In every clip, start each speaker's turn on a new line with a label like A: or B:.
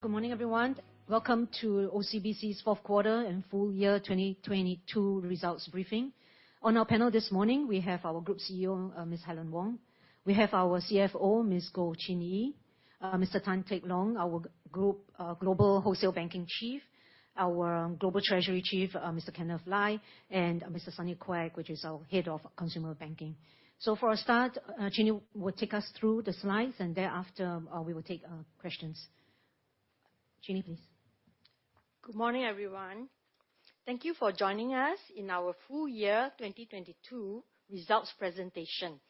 A: Good morning, everyone. Welcome to OCBC's 4th quarter and full year 2022 results briefing. On our panel this morning, we have our Group CEO, Ms. Helen Wong. We have our CFO, Ms. Goh Chin Yee. Mr. Tan Teck Long, our Global Wholesale Banking Chief. Our Global Treasury Chief, Mr. Kenneth Lai, and Mr. Sunny Quek, which is our Head of Consumer Banking. For a start, Chin Yee will take us through the slides, and thereafter, we will take questions. Chin Yee, please.
B: Good morning, everyone. Thank you for joining us in our full year 2022 results presentation.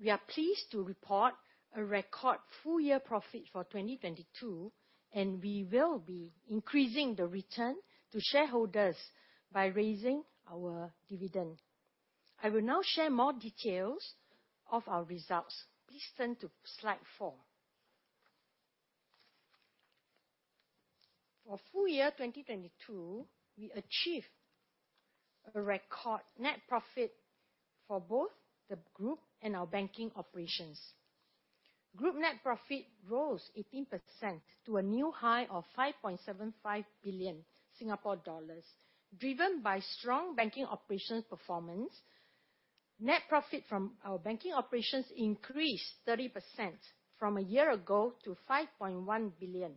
B: We are pleased to report a record full year profit for 2022, and we will be increasing the return to shareholders by raising our dividend. I will now share more details of our results. Please turn to slide four. For full year 2022, we achieved a record net profit for both the group and our banking operations. Group net profit rose 18% to a new high of 5.75 billion Singapore dollars, driven by strong banking operations performance. Net profit from our banking operations increased 30% from a year ago to 5.1 billion.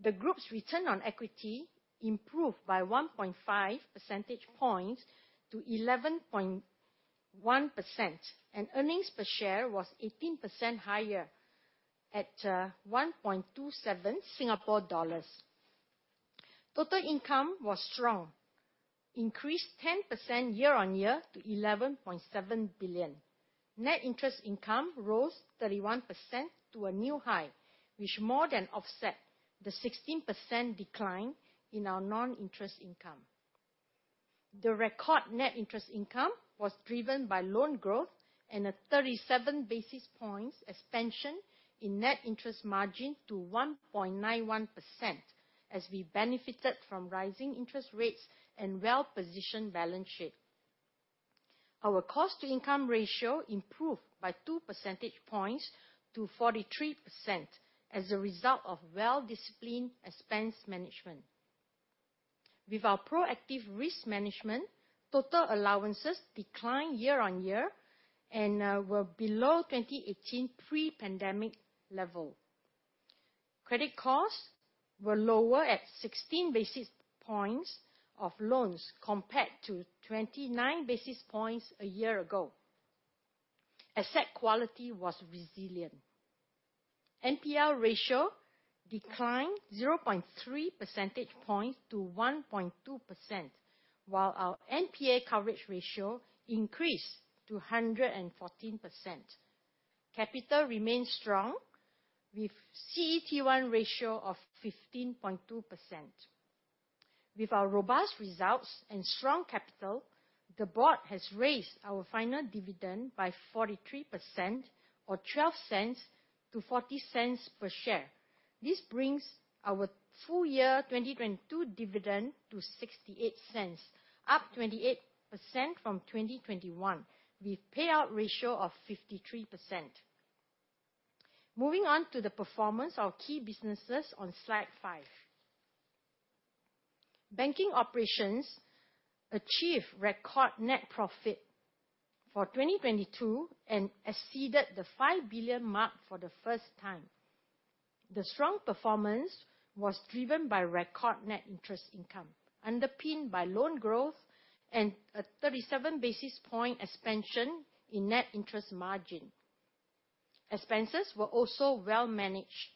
B: The group's return on equity improved by 1.5 percentage points to 11.1%, and earnings per share was 18% higher at 1.27 Singapore dollars. Total income was strong, increased 10% year-on-year to 11.7 billion. Net interest income rose 31% to a new high, which more than offset the 16% decline in our non-interest income. The record net interest income was driven by loan growth and a 37 basis points expansion in net interest margin to 1.91%, as we benefited from rising interest rates and well-positioned balance sheet. Our cost-to-income ratio improved by 2 percentage points to 43% as a result of well-disciplined expense management. With our proactive risk management, total allowances declined year-on-year and were below 2018 pre-pandemic level. Credit costs were lower at 16 basis points of loans compared to 29 basis points a year ago. Asset quality was resilient. NPL ratio declined 0.3 percentage points to 1.2%, while our NPA coverage ratio increased to 114%. Capital remains strong with CET1 ratio of 15.2%. With our robust results and strong capital, the board has raised our final dividend by 43% or 0.12 to 0.40 per share. This brings our full year 2022 dividend to 0.68, up 28% from 2021, with payout ratio of 53%. Moving on to the performance of key businesses on slide 5. Banking operations achieved record net profit for 2022 and exceeded the 5 billion mark for the first time. The strong performance was driven by record net interest income, underpinned by loan growth and a 37 basis point expansion in net interest margin. Expenses were also well managed.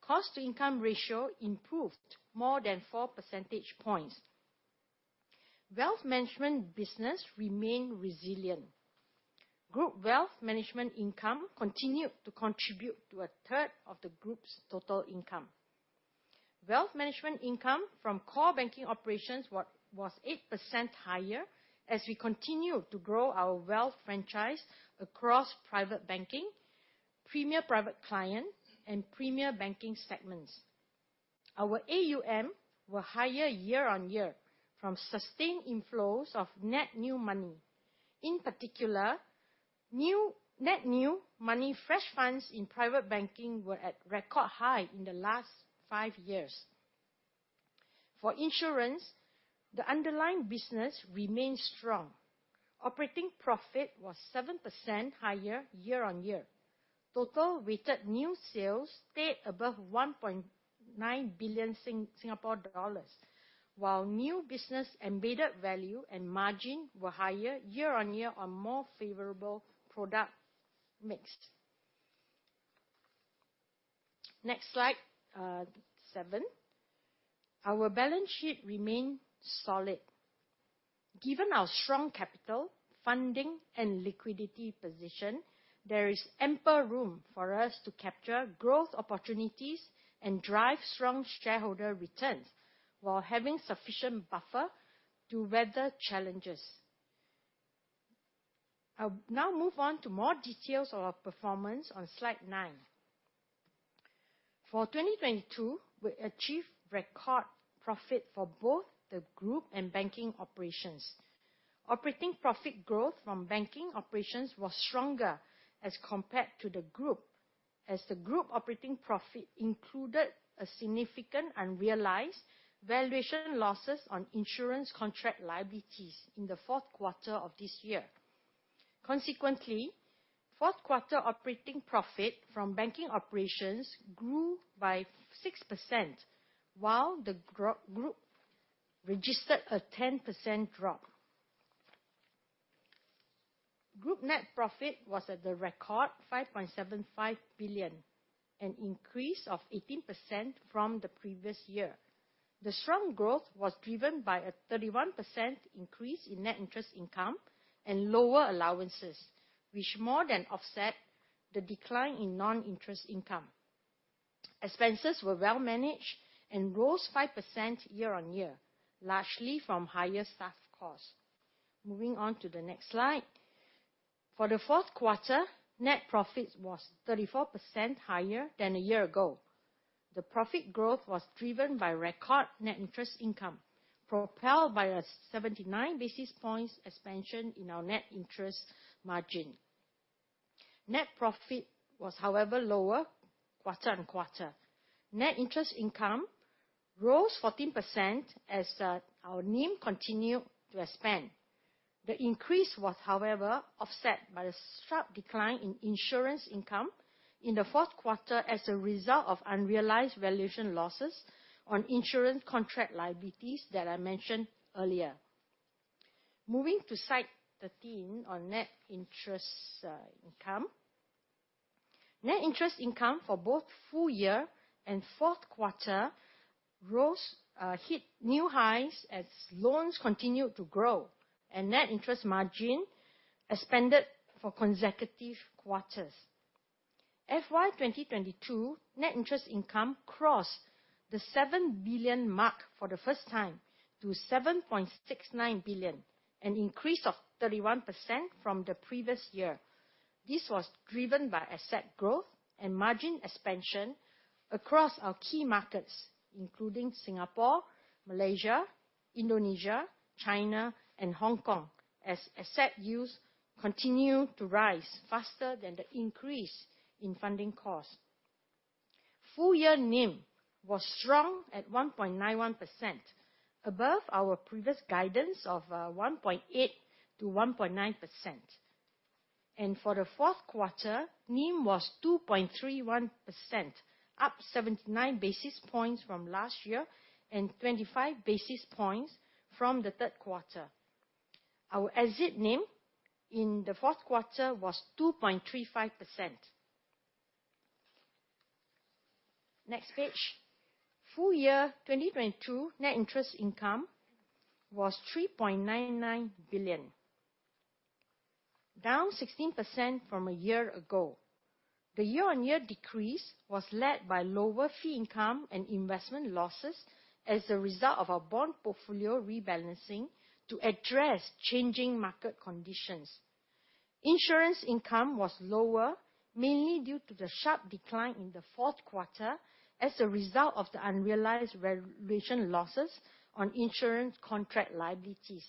B: Cost-to-income ratio improved more than 4 percentage points. Wealth management business remained resilient. Group wealth management income continued to contribute to a third of the group's total income. Wealth management income from core banking operations was 8% higher as we continue to grow our wealth franchise across private banking, premier private client, and premier banking segments. Our AUM were higher year-on-year from sustained inflows of net new money. In particular, net new money fresh funds in private banking were at record high in the last five years. For insurance, the underlying business remained strong. Operating profit was 7% higher year-on-year. Total weighted new sales stayed above 1.9 billion Singapore dollars, while new business embedded value and margin were higher year-on-year on more favorable product mix. Next slide, seven. Our balance sheet remained solid. Given our strong capital, funding, and liquidity position, there is ample room for us to capture growth opportunities and drive strong shareholder returns while having sufficient buffer to weather challenges. I'll now move on to more details of our performance on slide nine. For 2022, we achieved record profit for both the group and banking operations. Operating profit growth from banking operations was stronger as compared to the group, as the group operating profit included a significant unrealized valuation losses on insurance contract liabilities in the fourth quarter of this year. Consequently, fourth quarter operating profit from banking operations grew by 6%, while the group registered a 10% drop. Group net profit was at the record 5.75 billion, an increase of 18% from the previous year. The strong growth was driven by a 31% increase in net interest income and lower allowances, which more than offset the decline in non-interest income. Expenses were well managed and rose 5% year-on-year, largely from higher staff costs. Moving on to the next slide. For the fourth quarter, net profit was 34% higher than a year ago. The profit growth was driven by record net interest income, propelled by a 79 basis points expansion in our net interest margin. Net profit was, however, lower quarter-on-quarter. Net interest income rose 14% as our NIM continued to expand. The increase was, however, offset by the sharp decline in insurance income in the fourth quarter as a result of unrealized valuation losses on insurance contract liabilities that I mentioned earlier. Moving to slide 13 on net interest income. Net interest income for both full year and fourth quarter rose, hit new highs as loans continued to grow and net interest margin expanded for consecutive quarters. FY 2022 net interest income crossed the 7 billion mark for the first time to 7.69 billion, an increase of 31% from the previous year. This was driven by asset growth and margin expansion across our key markets, including Singapore, Malaysia, Indonesia, China and Hong Kong, as asset use continued to rise faster than the increase in funding costs. Full year NIM was strong at 1.91%, above our previous guidance of 1.8%-1.9%. For the fourth quarter, NIM was 2.31%, up 79 basis points from last year and 25 basis points from the third quarter. Our exit NIM in the fourth quarter was 2.35%. Next page. Full year 2022 net interest income was 3.99 billion, down 16% from a year ago. The year-over-year decrease was led by lower fee income and investment losses as a result of our bond portfolio rebalancing to address changing market conditions. Insurance income was lower, mainly due to the sharp decline in the fourth quarter as a result of the unrealized valuation losses on insurance contract liabilities.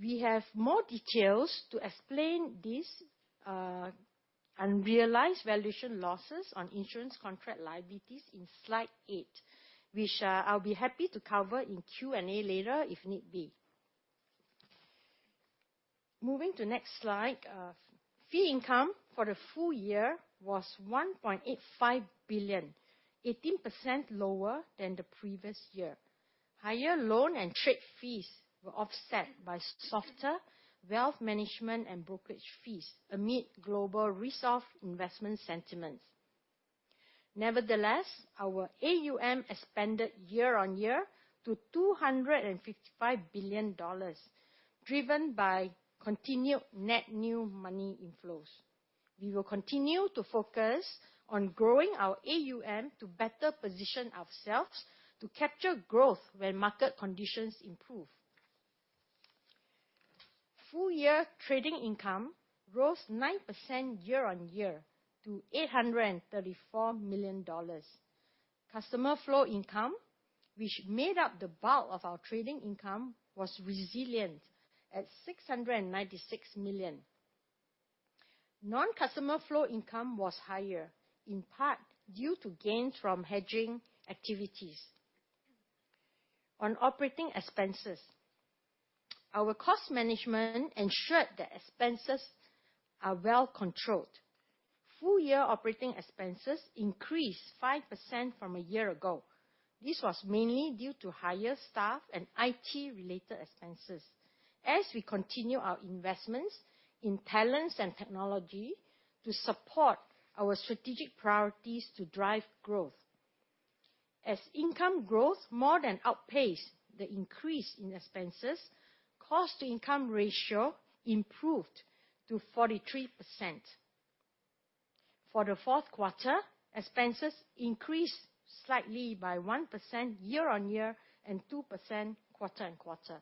B: We have more details to explain these unrealized valuation losses on insurance contract liabilities in slide eight, which I'll be happy to cover in Q&A later if need be. Moving to next slide. Fee income for the full year was 1.85 billion, 18% lower than the previous year. Higher loan and trade fees were offset by softer wealth management and brokerage fees amid global risk of investment sentiments. Nevertheless, our AUM expanded year-on-year to 255 billion dollars, driven by continued net new money inflows. We will continue to focus on growing our AUM to better position ourselves to capture growth when market conditions improve. Full-year trading income rose 9% year-on-year to SGD 834 million. Customer flow income, which made up the bulk of our trading income, was resilient at 696 million. Non-customer flow income was higher, in part due to gains from hedging activities. On operating expenses, our cost management ensured that expenses are well controlled. Full-year operating expenses increased 5% from a year ago. This was mainly due to higher staff and IT related expenses as we continue our investments in talents and technology to support our strategic priorities to drive growth. As income growth more than outpaced the increase in expenses, cost-to-income ratio improved to 43%. For the fourth quarter, expenses increased slightly by 1% year-over-year and 2% quarter-over-quarter.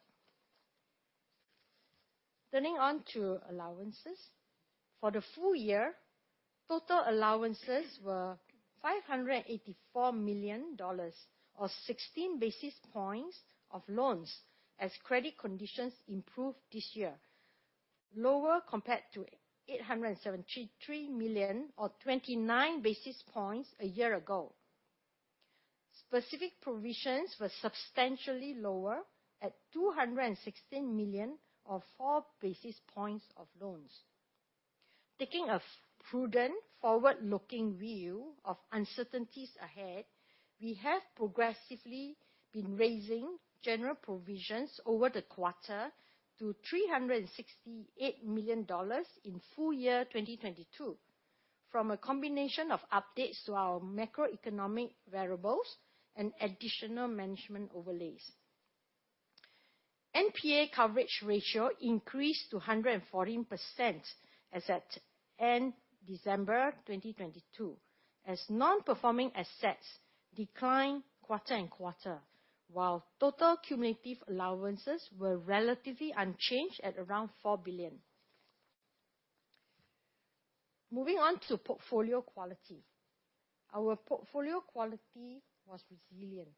B: Turning on to allowances. For the full year, total allowances were 584 million dollars, or 16 basis points of loans as credit conditions improved this year, lower compared to 873 million, or 29 basis points a year ago. Specific provisions were substantially lower at 216 million, or 4 basis points of loans. Taking a prudent forward-looking view of uncertainties ahead, we have progressively been raising general provisions over the quarter to 368 million dollars in full year 2022 from a combination of updates to our macroeconomic variables and additional management overlays. NPA coverage ratio increased to 114% as at end December 2022, as non-performing assets declined quarter-on-quarter, while total cumulative allowances were relatively unchanged at around 4 billion. Moving on to portfolio quality. Our portfolio quality was resilient.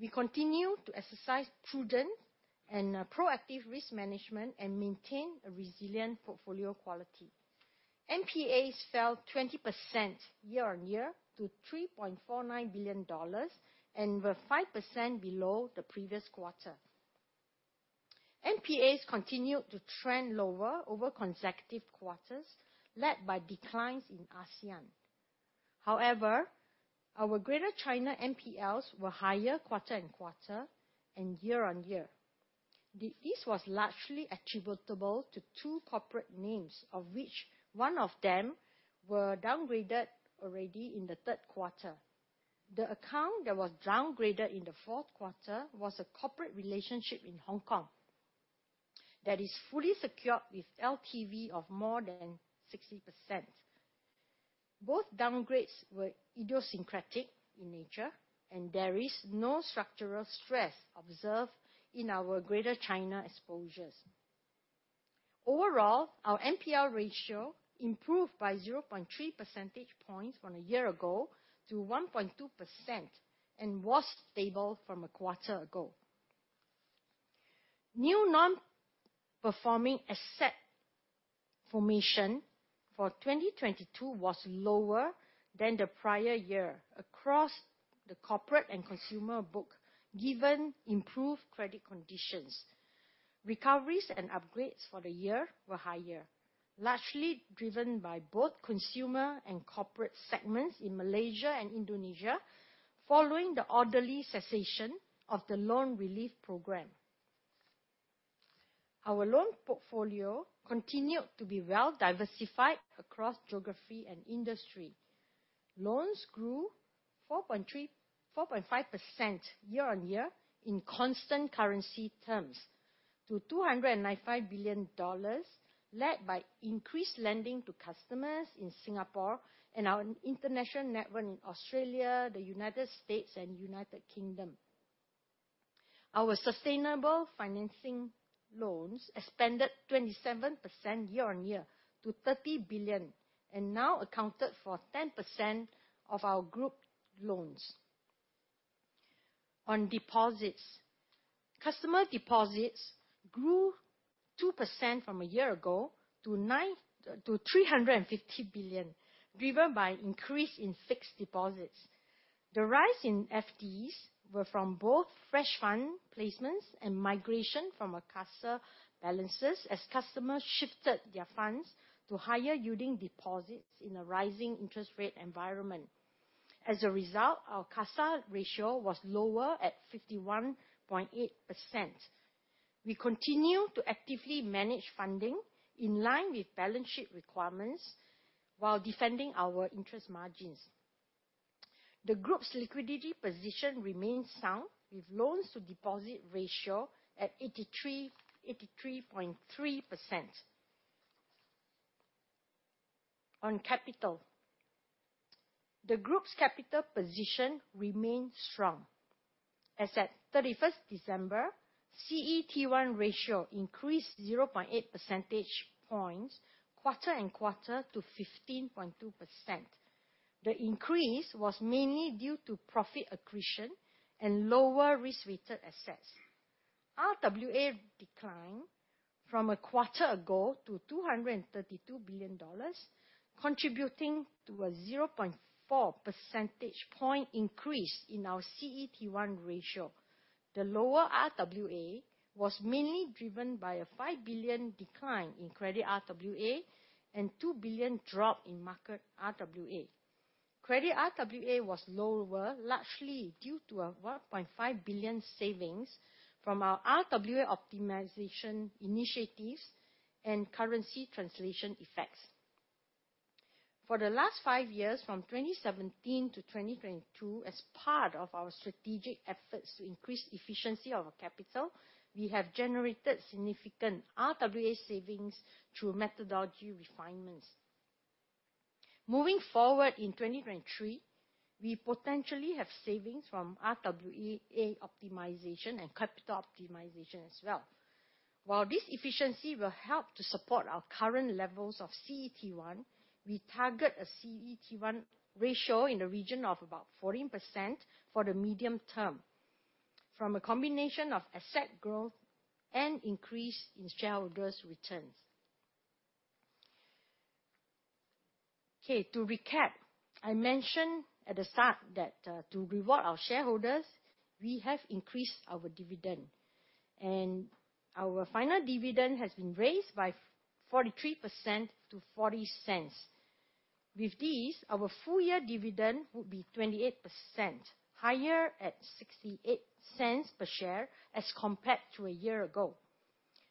B: We continue to exercise prudent and proactive risk management and maintain a resilient portfolio quality. NPAs fell 20% year-on-year to 3.49 billion dollars and were 5% below the previous quarter. NPAs continued to trend lower over consecutive quarters, led by declines in ASEAN. Our Greater China NPLs were higher quarter-on-quarter and year-on-year. This was largely attributable to two corporate names, of which one of them were downgraded already in the third quarter. The account that was downgraded in the fourth quarter was a corporate relationship in Hong Kong that is fully secured with LTV of more than 60%. Both downgrades were idiosyncratic in nature, there is no structural stress observed in our Greater China exposures. Our NPL ratio improved by 0.3 percentage points from a year ago to 1.2% and was stable from a quarter ago. New non-performing asset formation for 2022 was lower than the prior year across the corporate and consumer book, given improved credit conditions. Recoveries and upgrades for the year were higher, largely driven by both consumer and corporate segments in Malaysia and Indonesia following the orderly cessation of the loan relief program. Our loan portfolio continued to be well diversified across geography and industry. Loans grew 4.5% year-on-year in constant currency terms to $295 billion, led by increased lending to customers in Singapore and our international network in Australia, the United States and United Kingdom. Our sustainable financing loans expanded 27% year-on-year to $30 billion and now accounted for 10% of our group loans. On deposits. Customer deposits grew 2% from a year ago to $350 billion, driven by increase in fixed deposits. The rise in FDs were from both fresh fund placements and migration from our CASA balances as customers shifted their funds to higher yielding deposits in a rising interest rate environment. As a result, our CASA ratio was lower at 51.8%. We continue to actively manage funding in line with balance sheet requirements while defending our interest margins. The group's liquidity position remains sound with loans to deposit ratio at 83.3%. On capital. The group's capital position remains strong. As at 31st December, CET1 ratio increased 0.8 percentage points quarter and quarter to 15.2%. The increase was mainly due to profit accretion and lower risk-weighted assets. RWA declined from a quarter ago to 232 billion dollars, contributing to a 0.4 percentage point increase in our CET1 ratio. The lower RWA was mainly driven by a 5 billion decline in credit RWA and 2 billion drop in market RWA. Credit RWA was lower, largely due to a 1.5 billion savings from our RWA optimization initiatives and currency translation effects. For the last 5 years, from 2017 to 2022, as part of our strategic efforts to increase efficiency of our capital, we have generated significant RWA savings through methodology refinements. Moving forward in 2023, we potentially have savings from RWA optimization and capital optimization as well. While this efficiency will help to support our current levels of CET1, we target a CET1 ratio in the region of about 14% for the medium term, from a combination of asset growth and increase in shareholders' returns. Okay, to recap, I mentioned at the start that, to reward our shareholders, we have increased our dividend. Our final dividend has been raised by 43% to 0.40. With this, our full year dividend will be 28% higher at 0.68 per share as compared to a year ago.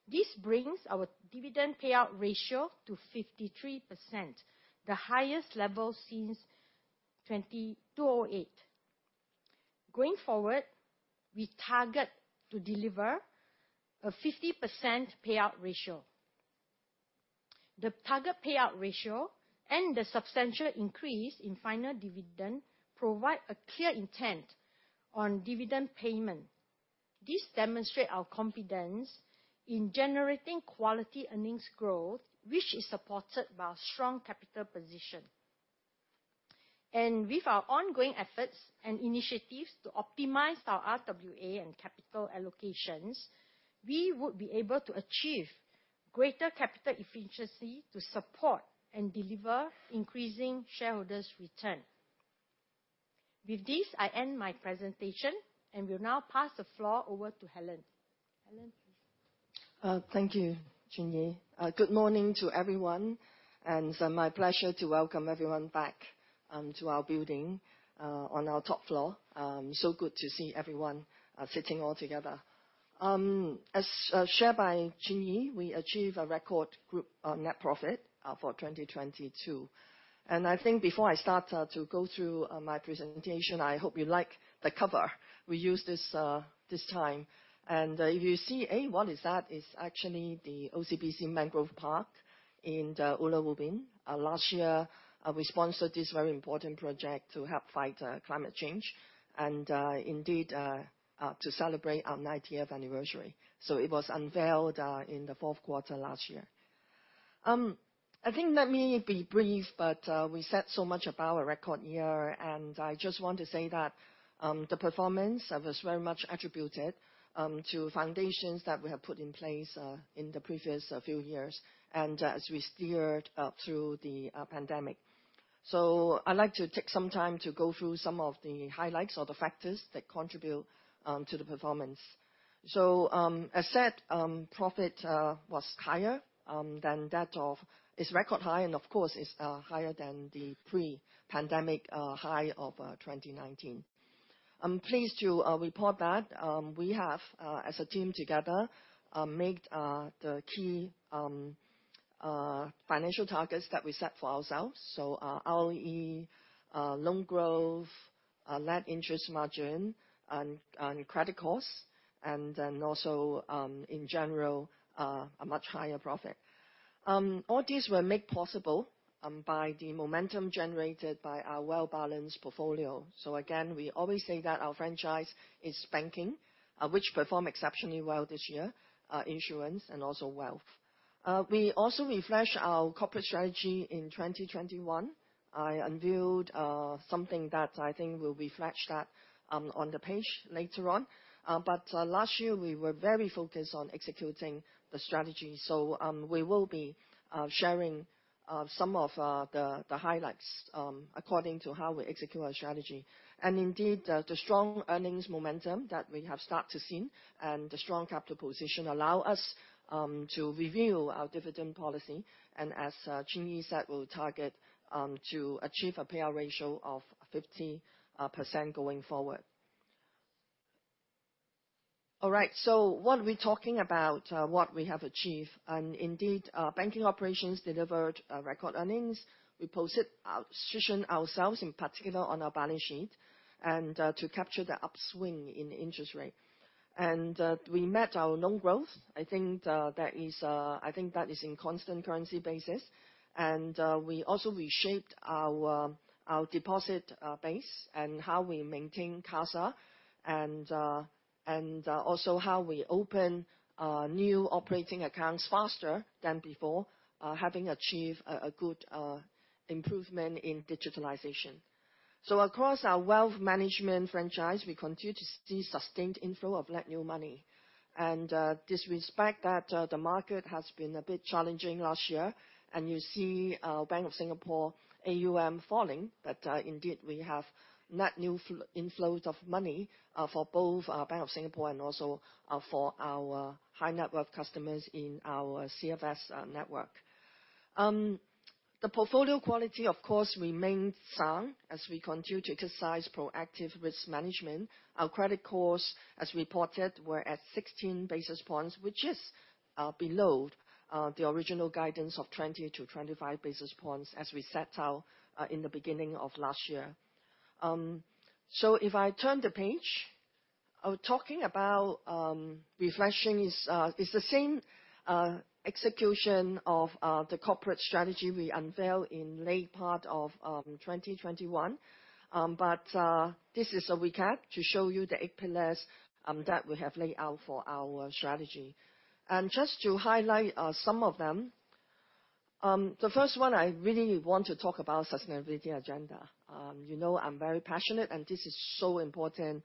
B: This brings our dividend payout ratio to 53%, the highest level since 2008. Going forward, we target to deliver a 50% payout ratio. The target payout ratio and the substantial increase in final dividend provide a clear intent on dividend payment. This demonstrate our confidence in generating quality earnings growth, which is supported by strong capital position. With our ongoing efforts and initiatives to optimize our RWA and capital allocations, we would be able to achieve greater capital efficiency to support and deliver increasing shareholders' return. With this, I end my presentation, and will now pass the floor over to Helen. Helen, please.
C: Thank you, Chin Yee. Good morning to everyone. It's my pleasure to welcome everyone back to our building on our top floor. Good to see everyone sitting all together. As shared by Chin Yee, we achieve a record group net profit for 2022. I think before I start to go through my presentation, I hope you like the cover we use this this time. If you see, "Hey, what is that?" It's actually the OCBC Mangrove Park in the Ubin. Last year, we sponsored this very important project to help fight climate change and indeed to celebrate our 90th anniversary. It was unveiled in the fourth quarter last year. I think, let me be brief, but we said so much about our record year. I just want to say that the performance that was very much attributed to foundations that we have put in place in the previous few years and as we steered through the pandemic. I'd like to take some time to go through some of the highlights or the factors that contribute to the performance. As said, profit was higher than that of. It's record high and of course is higher than the pre-pandemic high of 2019. I'm pleased to report that we have as a team together made the key financial targets that we set for ourselves. ROE, loan growth, net interest margin and credit costs, and then also, in general, a much higher profit. All these were made possible by the momentum generated by our well-balanced portfolio. Again, we always say that our franchise is banking, which performed exceptionally well this year, insurance, and also wealth. We also refreshed our corporate strategy in 2021. I unveiled something that I think will refresh that on the page later on. Last year we were very focused on executing the strategy. We will be sharing some of the highlights according to how we execute our strategy. Indeed, the strong earnings momentum that we have start to seen, and the strong capital position allow us to review our dividend policy. As Chin Yee said, we'll target to achieve a payout ratio of 50% going forward. All right, what we're talking about, what we have achieved. Indeed, our banking operations delivered record earnings. We positioned ourselves, in particular on our balance sheet, to capture the upswing in interest rate. We met our loan growth. I think that is in constant currency basis. We also reshaped our deposit base and how we maintain CASA, and also how we open new operating accounts faster than before, having achieved a good improvement in digitalization. Across our wealth management franchise, we continue to see sustained inflow of net new money. This respect that the market has been a bit challenging last year, and you see Bank of Singapore AUM falling. Indeed, we have net new inflows of money for both Bank of Singapore and also for our high net worth customers in our CFS network. The portfolio quality, of course, remained sound as we continue to exercise proactive risk management. Our credit costs, as reported, were at 16 basis points, which is below the original guidance of 20-25 basis points as we set out in the beginning of last year. If I turn the page, I'm talking about refreshing is the same execution of the corporate strategy we unveiled in late part of 2021. This is a recap to show you the eight pillars that we have laid out for our strategy. Just to highlight some of them, the first one I really want to talk about sustainability agenda. You know, I'm very passionate, and this is so important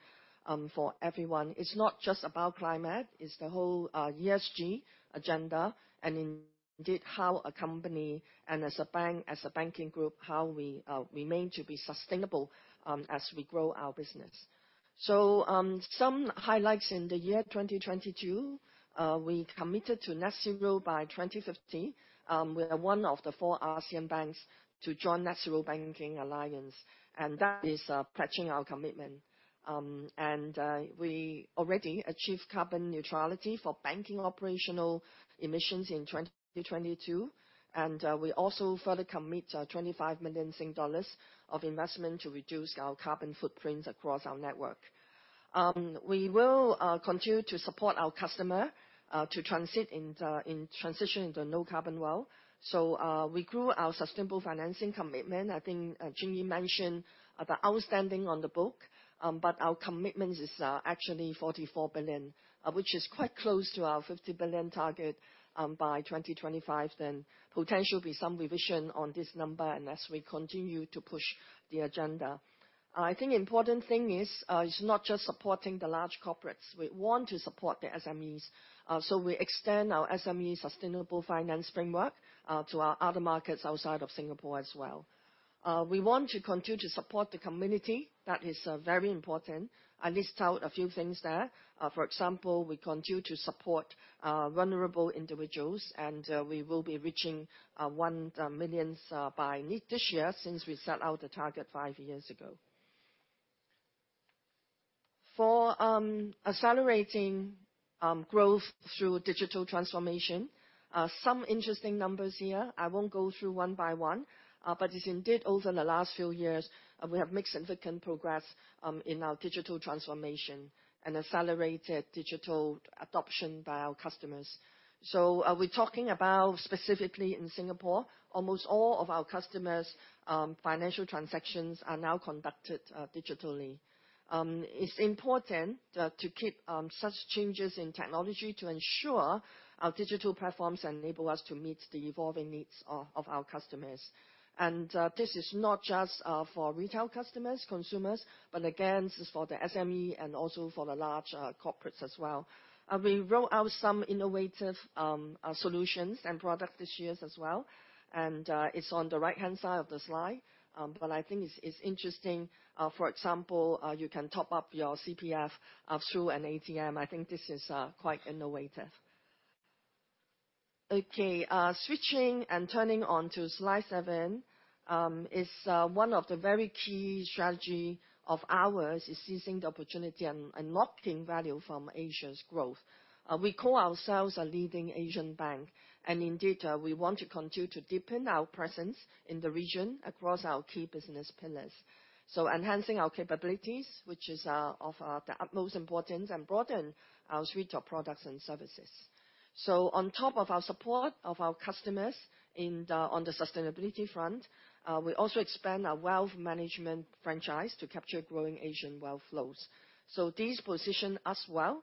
C: for everyone. It's not just about climate, it's the whole ESG agenda, and indeed how a company, and as a bank, as a banking group, how we remain to be sustainable as we grow our business. Some highlights in the year 2022. We committed to net zero by 2050. We are one of the four ASEAN banks to Net-Zero Banking Alliance, and that is pledging our commitment. We already achieved carbon neutrality for banking operational emissions in 2022. We also further commit 25 million dollars of investment to reduce our carbon footprint across our network. We will continue to support our customer to transit in transitioning to no carbon world. We grew our sustainable financing commitment. I think Chin Yee mentioned the outstanding on the book, but our commitment is actually 44 billion, which is quite close to our 50 billion target by 2025. Potentially be some revision on this number and as we continue to push the agenda. I think important thing is it's not just supporting the large corporates. We want to support the SMEs. We extend our SME sustainable finance framework to our other markets outside of Singapore as well. We want to continue to support the community. That is very important. I list out a few things there. For example, we continue to support vulnerable individuals, and we will be reaching 1 millions by mid this year, since we set out the target five years ago. For accelerating growth through digital transformation, some interesting numbers here. I won't go through one by one, but as indeed over the last few years, we have made significant progress in our digital transformation and accelerated digital adoption by our customers. Are we talking about specifically in Singapore, almost all of our customers' financial transactions are now conducted digitally. It's important to keep such changes in technology to ensure our digital platforms enable us to meet the evolving needs of our customers. This is not just for retail customers, consumers, but again, this is for the SME and also for the large corporates as well. We roll out some innovative solutions and products this year as well. It's on the right-hand side of the slide. I think it's interesting. For example, you can top up your CPF through an ATM. I think this is quite innovative. Switching and turning on to slide seven is one of the very key strategy of ours is seizing the opportunity and locking value from Asia's growth. We call ourselves a leading Asian bank. Indeed, we want to continue to deepen our presence in the region across our key business pillars. Enhancing our capabilities, which is of the utmost importance and broaden our suite of products and services. On top of our support of our customers on the sustainability front, we also expand our wealth management franchise to capture growing Asian wealth flows. This position us well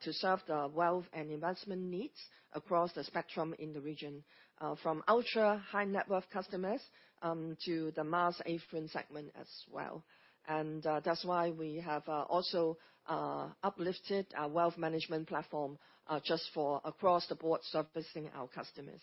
C: to serve the wealth and investment needs across the spectrum in the region from ultra-high net worth customers to the mass affluent segment as well. That's why we have also uplifted our wealth management platform just for across the board servicing our customers.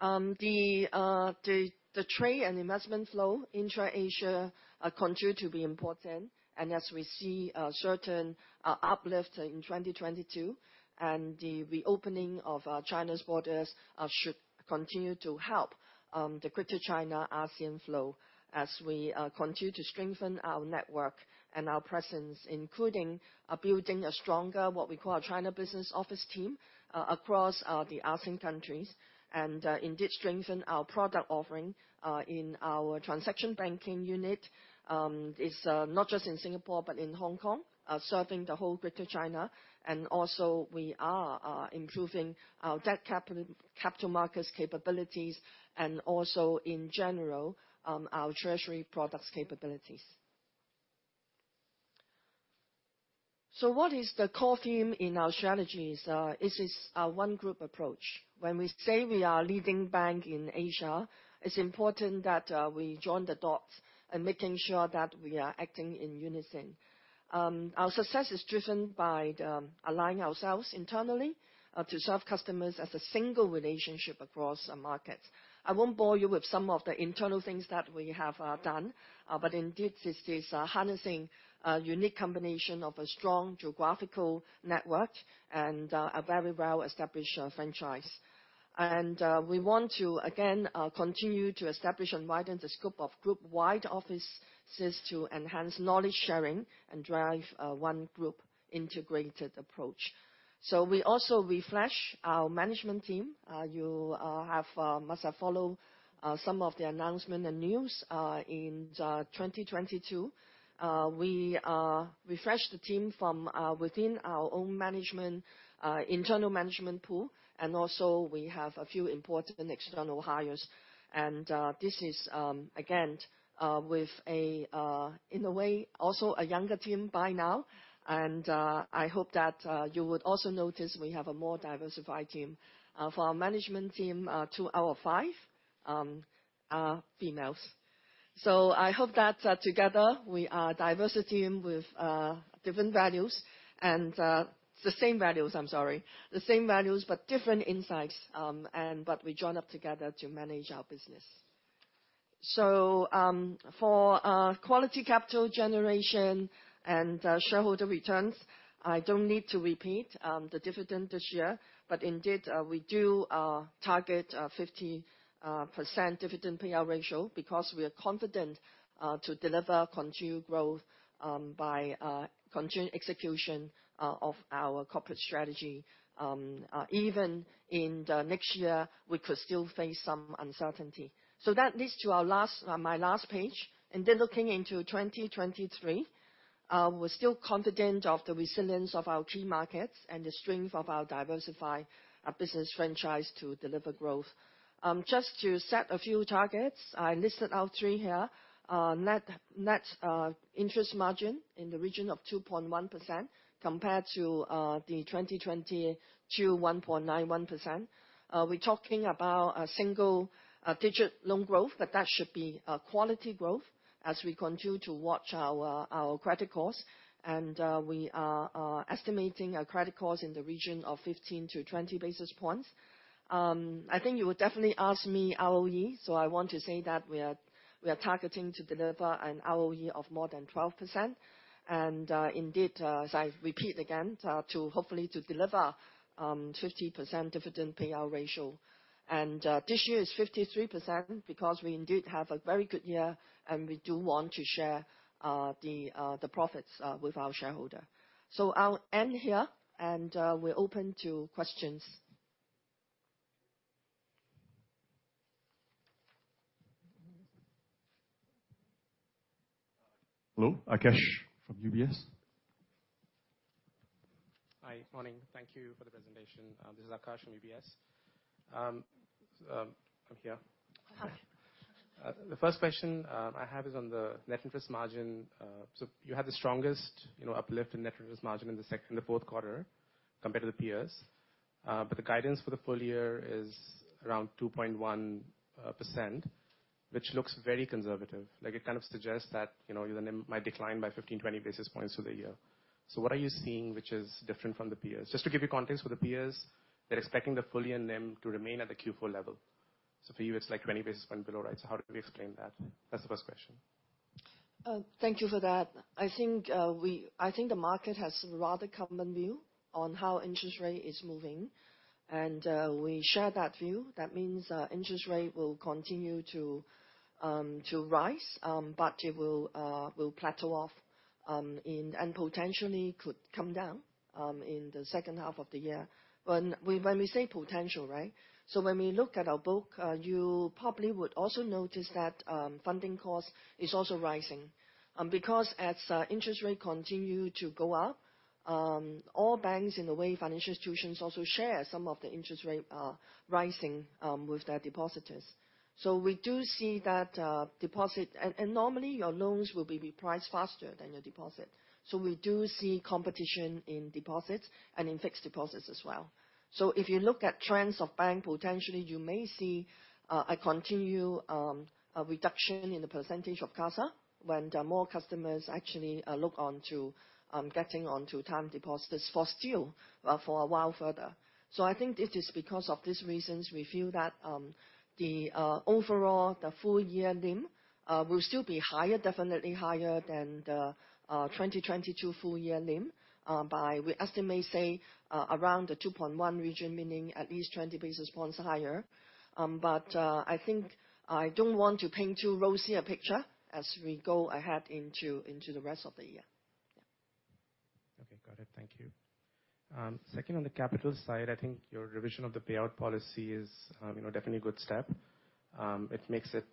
C: The trade and investment flow intra-Asia are continue to be important. As we see a certain uplift in 2022, and the reopening of China's borders should continue to help the Greater China ASEAN flow as we continue to strengthen our network and our presence, including building a stronger, what we call a China business office team across the ASEAN countries. Indeed strengthen our product offering in our transaction banking unit is not just in Singapore, but in Hong Kong, serving the whole Greater China. Also we are improving our debt capital markets capabilities and also in general, our treasury products capabilities. What is the core theme in our strategies? It is our one group approach. When we say we are leading bank in Asia, it's important that we join the dots in making sure that we are acting in unison. Our success is driven by the aligning ourselves internally to serve customers as a single relationship across our markets. I won't bore you with some of the internal things that we have done, but indeed this is harnessing a unique combination of a strong geographical network and a very well-established franchise. We want to again continue to establish and widen the scope of group wide offices to enhance knowledge sharing and drive one group integrated approach. We also refresh our management team. You have must have followed some of the announcement and news in 2022. We refreshed the team from within our own management internal management pool, and also we have a few important external hires. This is again with a in a way, also a younger team by now. I hope that you would also notice we have a more diversified team. For our management team, two out of five are females. I hope that together we are a diverse team with the same values, I'm sorry, but different insights, but we join up together to manage our business. For quality capital generation and shareholder returns, I don't need to repeat the dividend this year, but indeed, we do target a 50% dividend payout ratio because we are confident to deliver continued growth by continued execution of our corporate strategy, even in the next year we could still face some uncertainty. That leads to my last page. Looking into 2023, we're still confident of the resilience of our key markets and the strength of our diversified business franchise to deliver growth. Just to set a few targets, I listed out three here. Net, net interest margin in the region of 2.1% compared to the 2022 1.91%. We're talking about a single-digit loan growth, but that should be a quality growth as we continue to watch our credit costs. We are estimating our credit costs in the region of 15-20 basis points. I think you would definitely ask me ROE, I want to say that we are targeting to deliver an ROE of more than 12%. Indeed, as I repeat again, to hopefully to deliver 50% dividend payout ratio. This year is 53% because we indeed have a very good year, we do want to share the profits with our shareholder. I'll end here, we're open to questions.
D: Hello. Aakash from UBS.
E: Hi. Morning. Thank you for the presentation. This is Aakash from UBS. I'm here.
C: Okay.
E: The first question I have is on the net interest margin. You had the strongest, you know, uplift in net interest margin in the fourth quarter compared to the peers. The guidance for the full year is around 2.1%, which looks very conservative. Like it kind of suggests that, you know, your NIM might decline by 15, 20 basis points through the year. What are you seeing which is different from the peers? Just to give you context for the peers, they're expecting the full year NIM to remain at the Q4 level. For you it's like 20 basis point below, right? How do we explain that? That's the first question.
C: Thank you for that. I think the market has a rather common view on how interest rate is moving, and we share that view. That means interest rate will continue to rise, but it will plateau off and potentially could come down in the second half of the year. When we say potential, right? When we look at our book, you probably would also notice that funding costs is also rising. Because as interest rate continue to go up, all banks in a way, financial institutions also share some of the interest rate rising with their depositors. We do see that normally your loans will be repriced faster than your deposit. We do see competition in deposits and in fixed deposits as well. If you look at trends of bank, potentially you may see a continued reduction in the percentage of CASA when there are more customers actually look onto getting onto term deposits for still for a while further. I think it is because of these reasons, we feel that the overall, the full year NIM will still be higher, definitely higher than the 2022 full year NIM, by, we estimate, say, around the 2.1 region, meaning at least 20 basis points higher. I think I don't want to paint too rosy a picture as we go ahead into the rest of the year. Yeah.
E: Okay. Got it. Thank you. Second on the capital side, I think your revision of the payout policy is, you know, definitely a good step. It makes it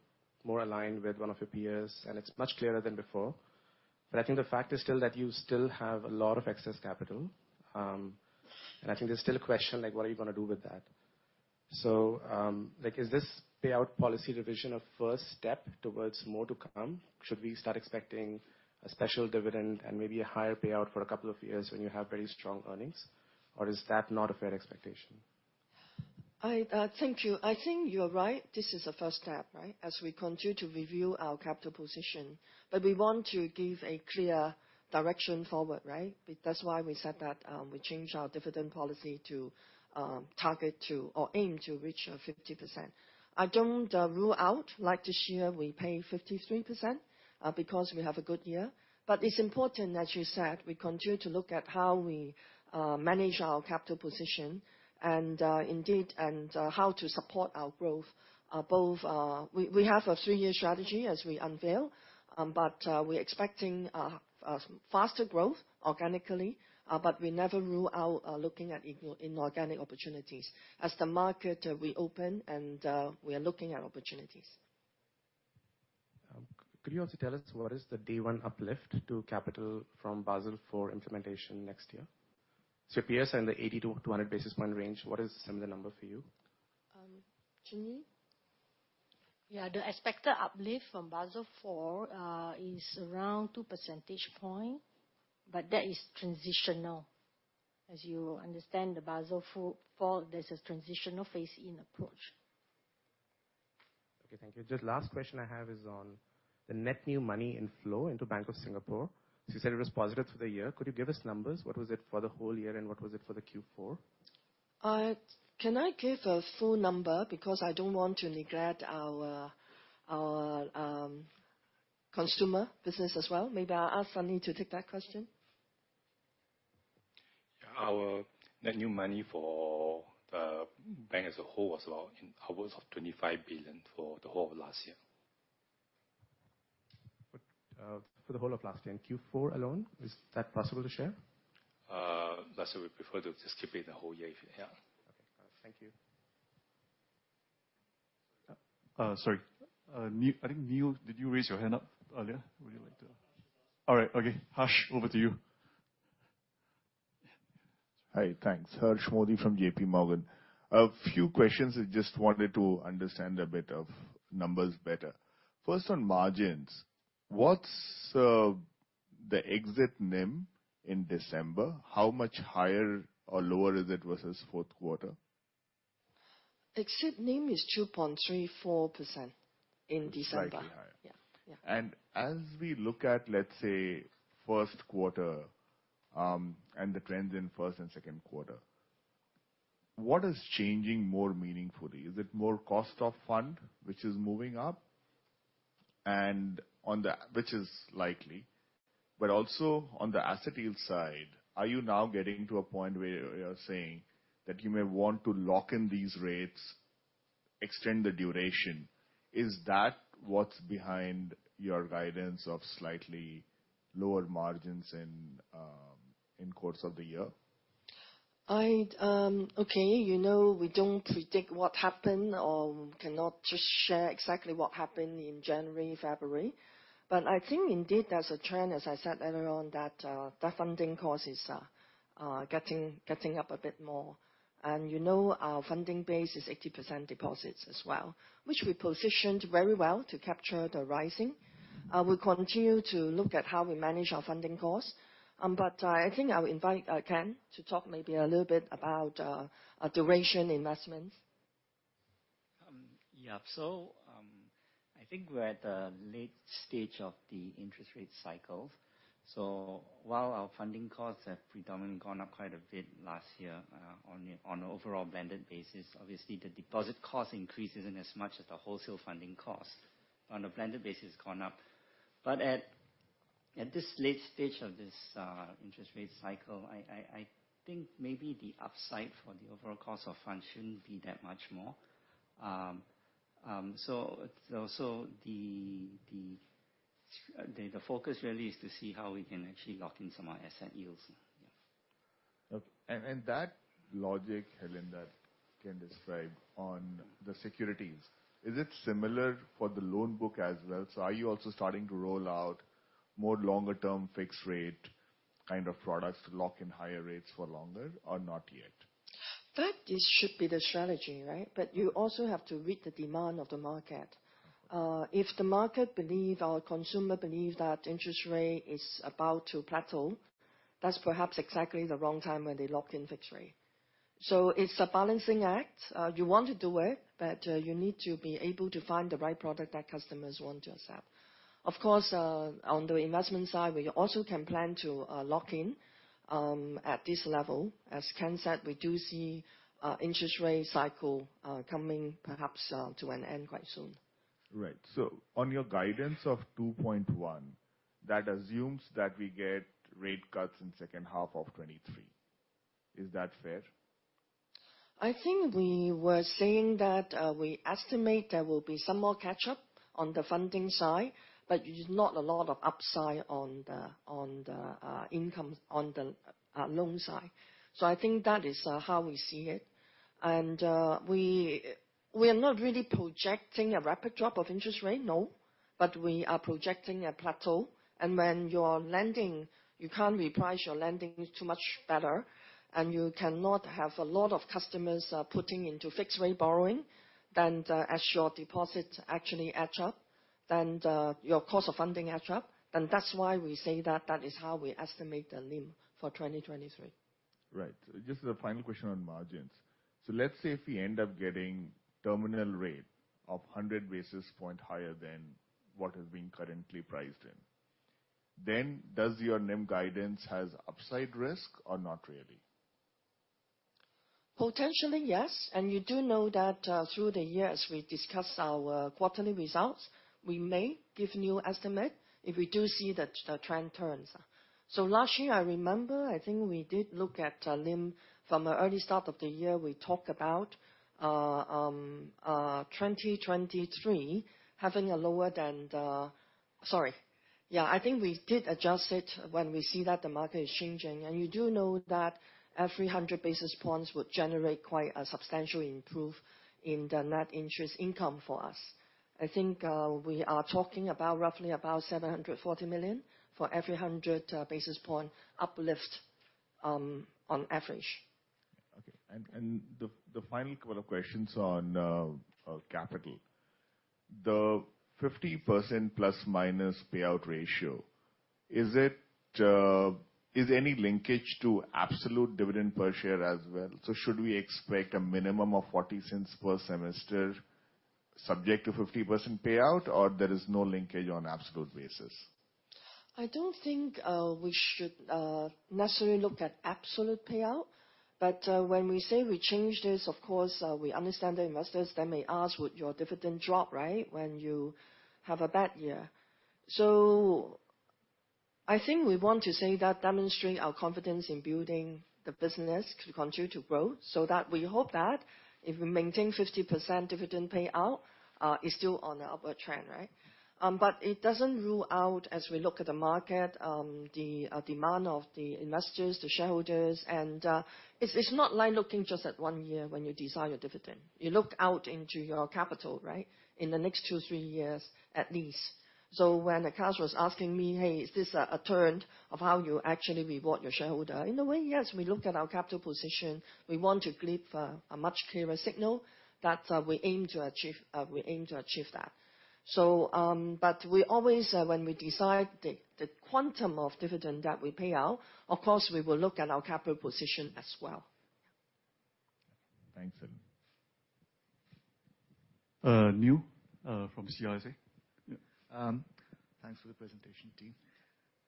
E: more aligned with one of your peers, and it's much clearer than before. I think the fact is still that you still have a lot of excess capital, and I think there's still a question, like what are you gonna do with that? Like is this payout policy revision a first step towards more to come? Should we start expecting a special dividend and maybe a higher payout for a couple of years when you have very strong earnings? Is that not a fair expectation?
C: I. Thank you. I think you're right. This is a first step, right? As we continue to review our capital position. We want to give a clear direction forward, right? That's why we said that we changed our dividend policy to target to or aim to reach a 50%. I don't rule out, like this year we pay 53% because we have a good year. It's important, as you said, we continue to look at how we manage our capital position and indeed, and how to support our growth both. We have a three-year strategy as we unveil. We're expecting faster growth organically, but we never rule out looking at inorganic opportunities. As the market reopen, and we are looking at opportunities.
E: Could you also tell us what is the day one uplift to capital from Basel IV implementation next year? PS and the 80 to 200 basis point range, what is some of the number for you?
C: Chin Yee?
B: Yeah. The expected uplift from Basel IV is around 2 percentage point, but that is transitional. As you understand, the Basel IV, there's a transitional phase-in approach.
E: Okay, thank you. Just last question I have is on the net new money inflow into Bank of Singapore. You said it was positive through the year. Could you give us numbers? What was it for the whole year, and what was it for the Q4?
C: Can I give a full number? I don't want to neglect our, consumer business as well. Maybe I'll ask Sunny to take that question.
D: Yeah. Our net new money for the bank as a whole was around in upwards of 25 billion for the whole of last year.
E: For the whole of last year. In Q4 alone, is that possible to share?
D: That's why we prefer to just keep it the whole year figure, yeah.
E: Okay. Thank you.
F: Sorry. Neil, did you raise your hand up earlier? Would you like to... All right. Okay, Harsh, over to you.
G: Hi. Thanks. Harsh Modi from JPMorgan. A few questions. I just wanted to understand a bit of numbers better. First, on margins, what's the exit NIM in December? How much higher or lower is it versus fourth quarter?
C: Exit NIM is 2.34% in December.
G: Slightly higher.
C: Yeah, yeah.
G: As we look at, let's say, first quarter, and the trends in first and second quarter, what is changing more meaningfully? Is it more cost of fund which is moving up? And on the... Which is likely. Also on the asset yield side, are you now getting to a point where you're saying that you may want to lock in these rates, extend the duration? Is that what's behind your guidance of slightly lower margins in course of the year?
C: I, okay, you know, we don't predict what happened, or we cannot just share exactly what happened in January, February. I think indeed there's a trend, as I said earlier on, that the funding cost is getting up a bit more. You know our funding base is 80% deposits as well, which we positioned very well to capture the rising. We continue to look at how we manage our funding costs. I think I'll invite Ken to talk maybe a little bit about our duration investments.
H: Yeah. I think we're at the late stage of the interest rate cycle. While our funding costs have predominantly gone up quite a bit last year, on a overall blended basis, obviously the deposit cost increase isn't as much as the wholesale funding cost. On a blended basis, it's gone up. At this late stage of this interest rate cycle, I think maybe the upside for the overall cost of funds shouldn't be that much more. The focus really is to see how we can actually lock in some more asset yields.
G: Okay. That logic, Helen, that Ken described on the securities, is it similar for the loan book as well? Are you also starting to roll out more longer-term fixed rate kind of products to lock in higher rates for longer or not yet?
C: That is should be the strategy, right? You also have to read the demand of the market. If the market believe or consumer believes that interest rate is about to plateau, that's perhaps exactly the wrong time when they lock in fixed rate. It's a balancing act. You want to do it, but you need to be able to find the right product that customers want to accept. Of course, on the investment side, we also can plan to lock in at this level. As Ken said, we do see interest rate cycle coming perhaps to an end quite soon.
G: Right. On your guidance of 2.1%, that assumes that we get rate cuts in second half of 2023. Is that fair?
C: I think we were saying that we estimate there will be some more catch-up on the funding side, but there's not a lot of upside on the, on the income on the loan side. I think that is how we see it. We, we're not really projecting a rapid drop of interest rate. No. We are projecting a plateau. When you're lending, you can't reprice your lending too much better, and you cannot have a lot of customers putting into fixed rate borrowing than as your deposits actually edge up, then your cost of funding edge up, then that's why we say that that is how we estimate the NIM for 2023.
G: Right. Just the final question on margins. Let's say if we end up getting terminal rate of 100 basis point higher than what is being currently priced in, then does your NIM guidance has upside risk or not really?
C: Potentially, yes. You do know that through the years, we discussed our quarterly results. We may give new estimate if we do see the trend turns. Last year, I remember, I think we did look at NIM. From the early start of the year, we talked about 2023 having a lower than the. Sorry. Yeah, I think we did adjust it when we see that the market is changing. You do know that every 100 basis points would generate quite a substantial improve in the net interest income for us. I think we are talking about roughly about 740 million for every 100 basis point uplift on average.
G: Okay. The final couple of questions on capital. The 50% plus minus payout ratio, is it is any linkage to absolute dividend per share as well? Should we expect a minimum of 0.40 per semester subject to 50% payout, or there is no linkage on absolute basis?
C: I don't think we should necessarily look at absolute payout, but when we say we change this, of course, we understand the investors, they may ask, "Would your dividend drop, right? When you have a bad year." I think we want to say that demonstrating our confidence in building the business to continue to grow so that we hope that if we maintain 50% dividend payout, it's still on an upward trend, right? But it doesn't rule out as we look at the market, the demand of the investors, the shareholders. It's not like looking just at one year when you decide your dividend. You look out into your capital, right? In the next two, three years at least. When Aakash was asking me, "Hey, is this a trend of how you actually reward your shareholder?" In a way, yes. We look at our capital position. We want to give a much clearer signal that we aim to achieve that. But we always, when we decide the quantum of dividend that we pay out, of course, we will look at our capital position as well.
G: Thanks, Helen.
F: Neil, from CIC.
I: Yeah. Thanks for the presentation, team.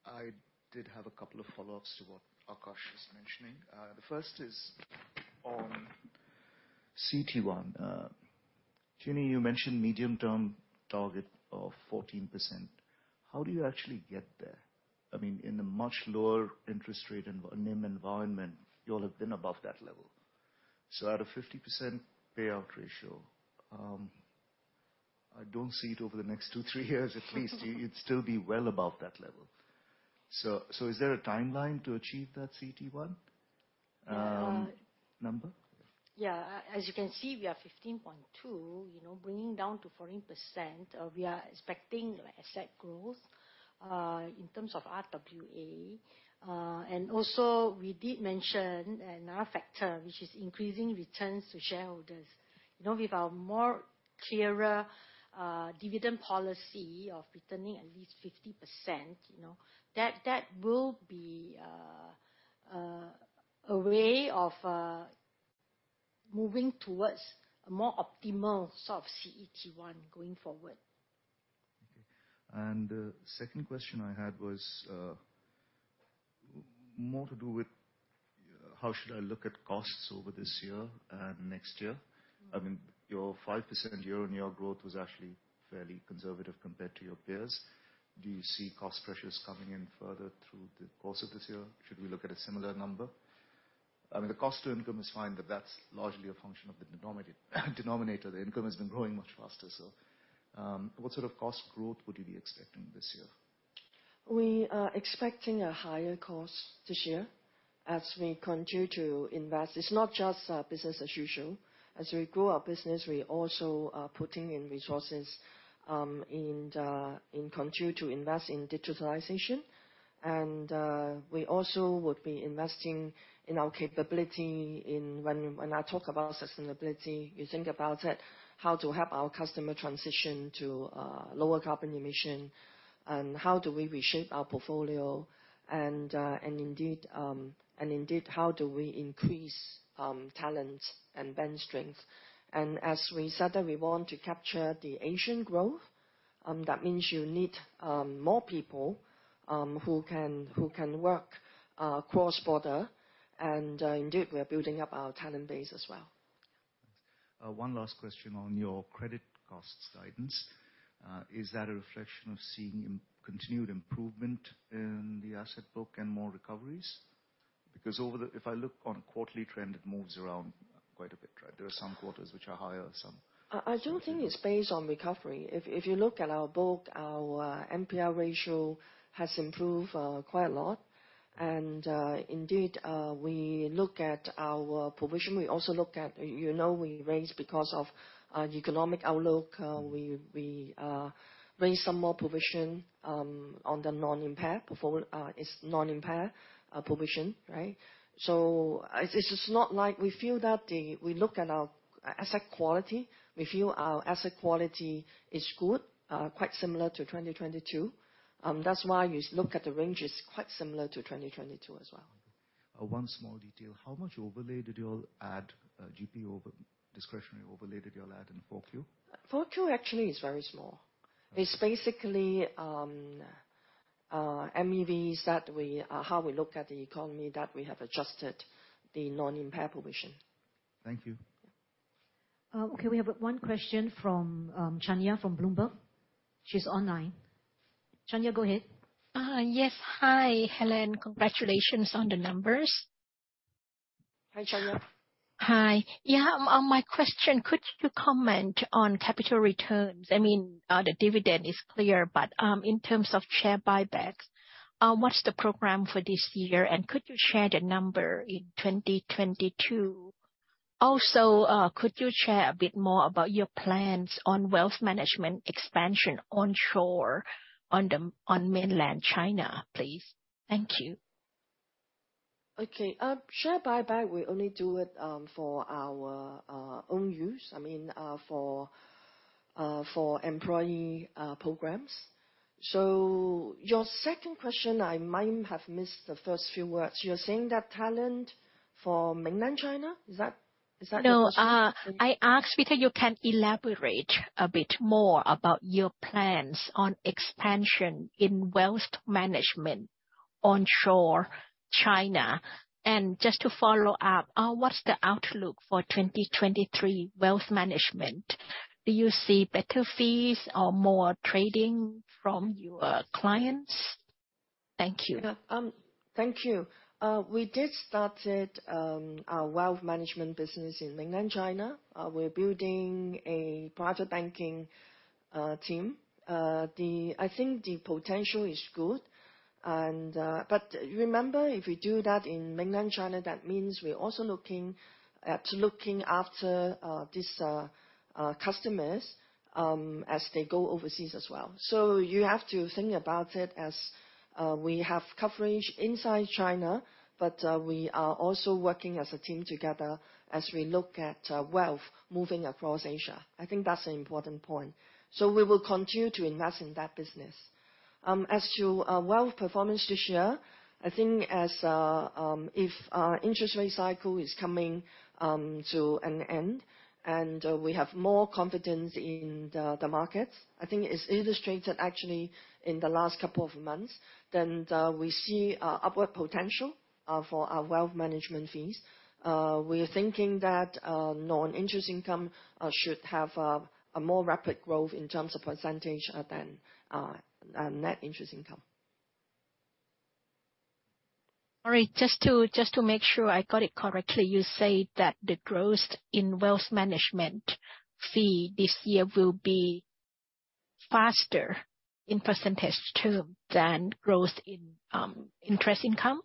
I: I did have a couple of follow-ups to what Aakash was mentioning. The first is on CET1. Jenny, you mentioned medium term target of 14%. How do you actually get there? I mean, in a much lower interest rate NIM environment, you all have been above that level. At a 50% payout ratio, I don't see it over the next two, three years at least. You'd still be well above that level. Is there a timeline to achieve that CET1 number?
B: Yeah. As you can see, we are 15.2. You know, bringing down to 14%, we are expecting asset growth in terms of RWA. Also we did mention another factor, which is increasing returns to shareholders. You know, with our more clearer dividend policy of returning at least 50%, you know, that will be a way of moving towards a more optimal sort of CET1 going forward.
I: Okay. The second question I had was more to do with, how should I look at costs over this year and next year? I mean, your 5% year-on-year growth was actually fairly conservative compared to your peers. Do you see cost pressures coming in further through the course of this year? Should we look at a similar number? I mean, the cost to income is fine, but that's largely a function of the denominator. The income has been growing much faster. What sort of cost growth would you be expecting this year?
C: We are expecting a higher cost this year as we continue to invest. It's not just business as usual. As we grow our business, we also are putting in resources in continue to invest in digitalization. We also would be investing in our capability in when I talk about sustainability, you think about it, how to help our customer transition to lower carbon emission, and how do we reshape our portfolio. Indeed, how do we increase talent and bench strength. As we said that we want to capture the Asian growth, that means you need more people who can work cross-border. Indeed, we are building up our talent base as well.
I: Thanks. One last question on your credit costs guidance. Is that a reflection of seeing continued improvement in the asset book and more recoveries? If I look on a quarterly trend, it moves around quite a bit, right? There are some quarters which are higher.
C: I don't think it's based on recovery. If you look at our book, our NPL ratio has improved quite a lot. Indeed, we look at our provision. We also look at, you know, we raised because of the economic outlook. We raised some more provision on the non-impair provision, right? It's just not like we feel that we look at our asset quality. We feel our asset quality is good, quite similar to 2022. That's why you look at the range is quite similar to 2022 as well.
I: One small detail. How much overlay did you all add, GP over discretionary overlay did you all add in 4Q?
C: 4Q actually is very small.
I: Okay.
C: It's basically MEVs that we, how we look at the economy that we have adjusted the non-impair provision.
I: Thank you.
A: Okay. We have one question from Chanya from Bloomberg. She's online. Chanya, go ahead.
J: Yes. Hi, Helen. Congratulations on the numbers.
C: Hi, Chanya.
J: Hi. Yeah, on my question, could you comment on capital returns? I mean, the dividend is clear, but in terms of share buybacks, what's the program for this year, and could you share the number in 2022? Also, could you share a bit more about your plans on wealth management expansion onshore on mainland China, please? Thank you.
C: Okay. Share buyback, we only do it, for our own use. I mean, for employee programs. Your second question, I might have missed the first few words. You're saying that talent for mainland China, is that the question?
J: No. I asked if you can elaborate a bit more about your plans on expansion in wealth management onshore China. Just to follow up, what's the outlook for 2023 wealth management? Do you see better fees or more trading from your clients? Thank you.
C: Thank you. We did started our wealth management business in Mainland China. We're building a private banking team. I think the potential is good. Remember, if we do that in Mainland China, that means we're also looking after these customers as they go overseas as well. You have to think about it as we have coverage inside China, we are also working as a team together as we look at wealth moving across Asia. I think that's an important point. We will continue to invest in that business. As to wealth performance this year, I think as if interest rate cycle is coming to an end and we have more confidence in the markets, I think it's illustrated actually in the last couple of months, then we see upward potential for our wealth management fees. We're thinking that non-interest income should have a more rapid growth in terms of percentage than net interest income.
J: All right. Just to make sure I got it correctly, you say that the growth in wealth management fee this year will be faster in percentage too than growth in interest income?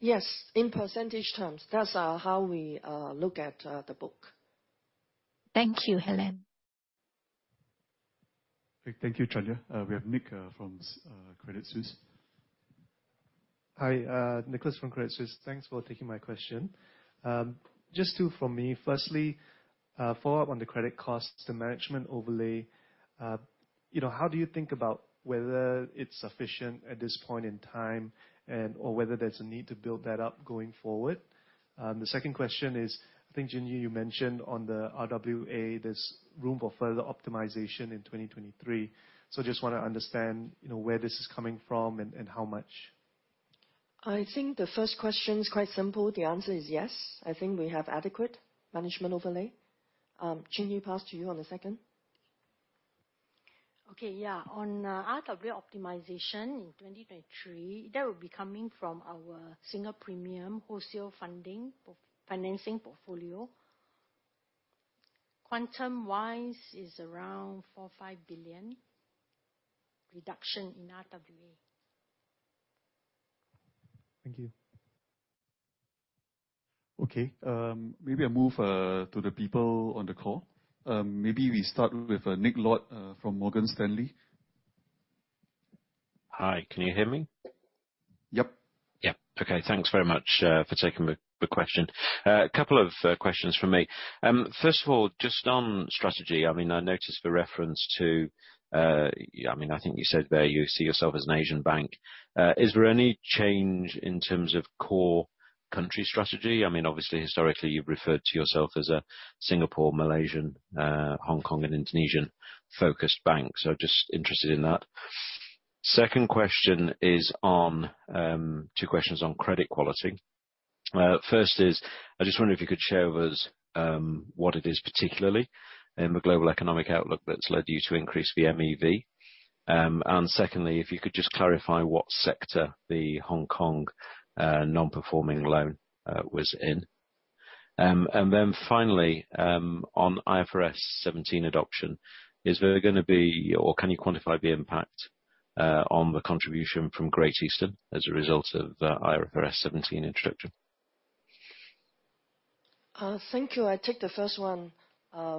C: Yes, in percentage terms. That's how we look at the book.
J: Thank you, Helen.
F: Okay. Thank you, Chanya. We have Nick from Credit Suisse.
K: Hi. Nicholas from Credit Suisse. Thanks for taking my question. Just two from me. Firstly, follow-up on the credit costs, the management overlay. You know, how do you think about whether it's sufficient at this point in time and or whether there's a need to build that up going forward? The second question is, I think, Goh Chin Yee, you mentioned on the RWA there's room for further optimization in 2023. Just wanna understand, you know, where this is coming from and how much.
C: I think the first question is quite simple. The answer is yes. I think we have adequate management overlay. Chin Yee, pass to you on the second.
B: Okay. Yeah. On RWA optimization in 2023, that will be coming from our single premium wholesale funding financing portfolio. Quantum-wise is around 4 billion-5 billion reduction in RWA.
K: Thank you.
F: Maybe I move to the people on the call. Maybe we start with Nick Lord from Morgan Stanley.
L: Hi. Can you hear me?
F: Yep.
L: Yeah. Okay. Thanks very much for taking the question. A couple of questions from me. First of all, just on strategy, I mean, I noticed the reference to, yeah, I mean, I think you said there you see yourself as an Asian bank. Is there any change in terms of core country strategy? I mean, obviously, historically, you've referred to yourself as a Singapore, Malaysian, Hong Kong and Indonesian focused bank. Just interested in that. Second question is on two questions on credit quality. First is, I just wonder if you could share with us what it is particularly in the global economic outlook that's led you to increase the MEV. And secondly, if you could just clarify what sector the Hong Kong non-performing loan was in. Finally, on IFRS 17 adoption, is there gonna be or can you quantify the impact on the contribution from Great Eastern as a result of IFRS 17 introduction?
C: Thank you. I take the first one,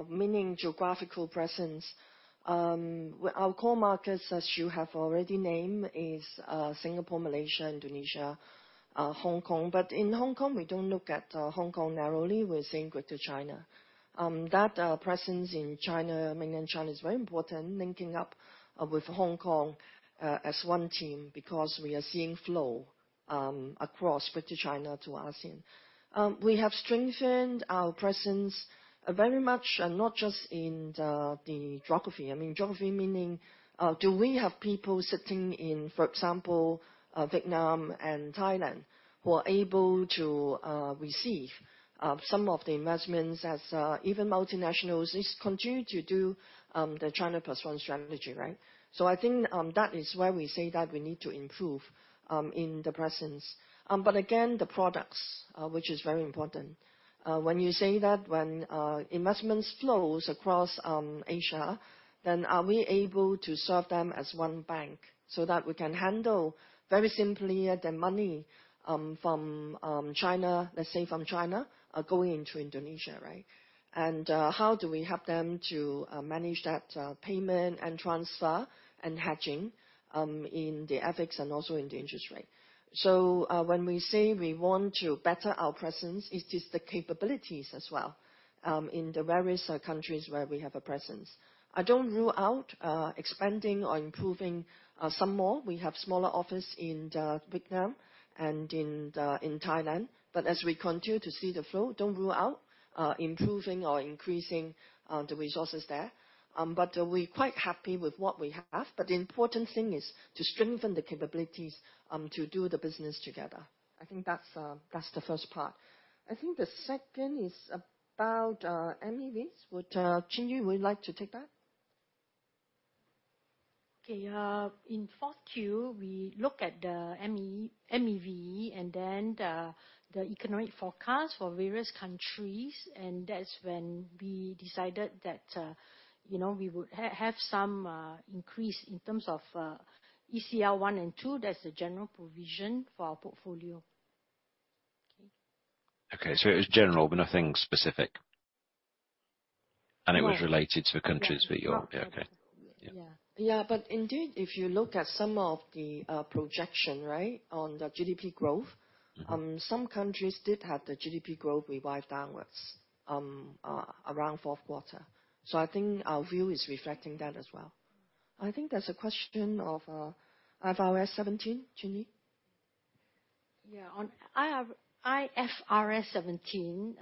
C: meaning geographical presence. Our core markets, as you have already named, is Singapore, Malaysia, Indonesia, Hong Kong. In Hong Kong, we don't look at Hong Kong narrowly, we're seeing Greater China. That presence in China, mainland China is very important linking up with Hong Kong as one team because we are seeing flow across Greater China to ASEAN. We have strengthened our presence very much, and not just in the geography. I mean, geography meaning, do we have people sitting in, for example, Vietnam and Thailand who are able to receive some of the investments as even multinationals continue to do the China plus one strategy, right? I think that is why we say that we need to improve in the presence. Again, the products, which is very important. When you say that when investments flows across Asia, are we able to serve them as one bank so that we can handle very simply the money from China... let's say from China, going into Indonesia, right? How do we help them to manage that payment and transfer and hedging in the FX and also in the interest rate. When we say we want to better our presence, it is the capabilities as well in the various countries where we have a presence. I don't rule out expanding or improving some more. We have smaller office in the Vietnam and in the Thailand. As we continue to see the flow, don't rule out improving or increasing the resources there. We're quite happy with what we have. The important thing is to strengthen the capabilities to do the business together. I think that's the first part. I think the second is about MEVs. Would Chin Yee like to take that?
B: Okay. In fourth Q, we look at the MEV and then the economic forecast for various countries. That's when we decided that, you know, we would have some increase in terms of ECR 1 and 2. That's the general provision for our portfolio. Okay.
L: Okay. It was general but nothing specific.
B: No.
L: It was related to the countries that you're... Okay.
B: Yeah.
C: Yeah. Indeed, if you look at some of the, projection, right, on the GDP growth-.
L: Mm-hmm.
C: Some countries did have the GDP growth revised downwards around fourth quarter. I think our view is reflecting that as well. I think there's a question of IFRS 17, Chin Yee.
B: On IFRS 17,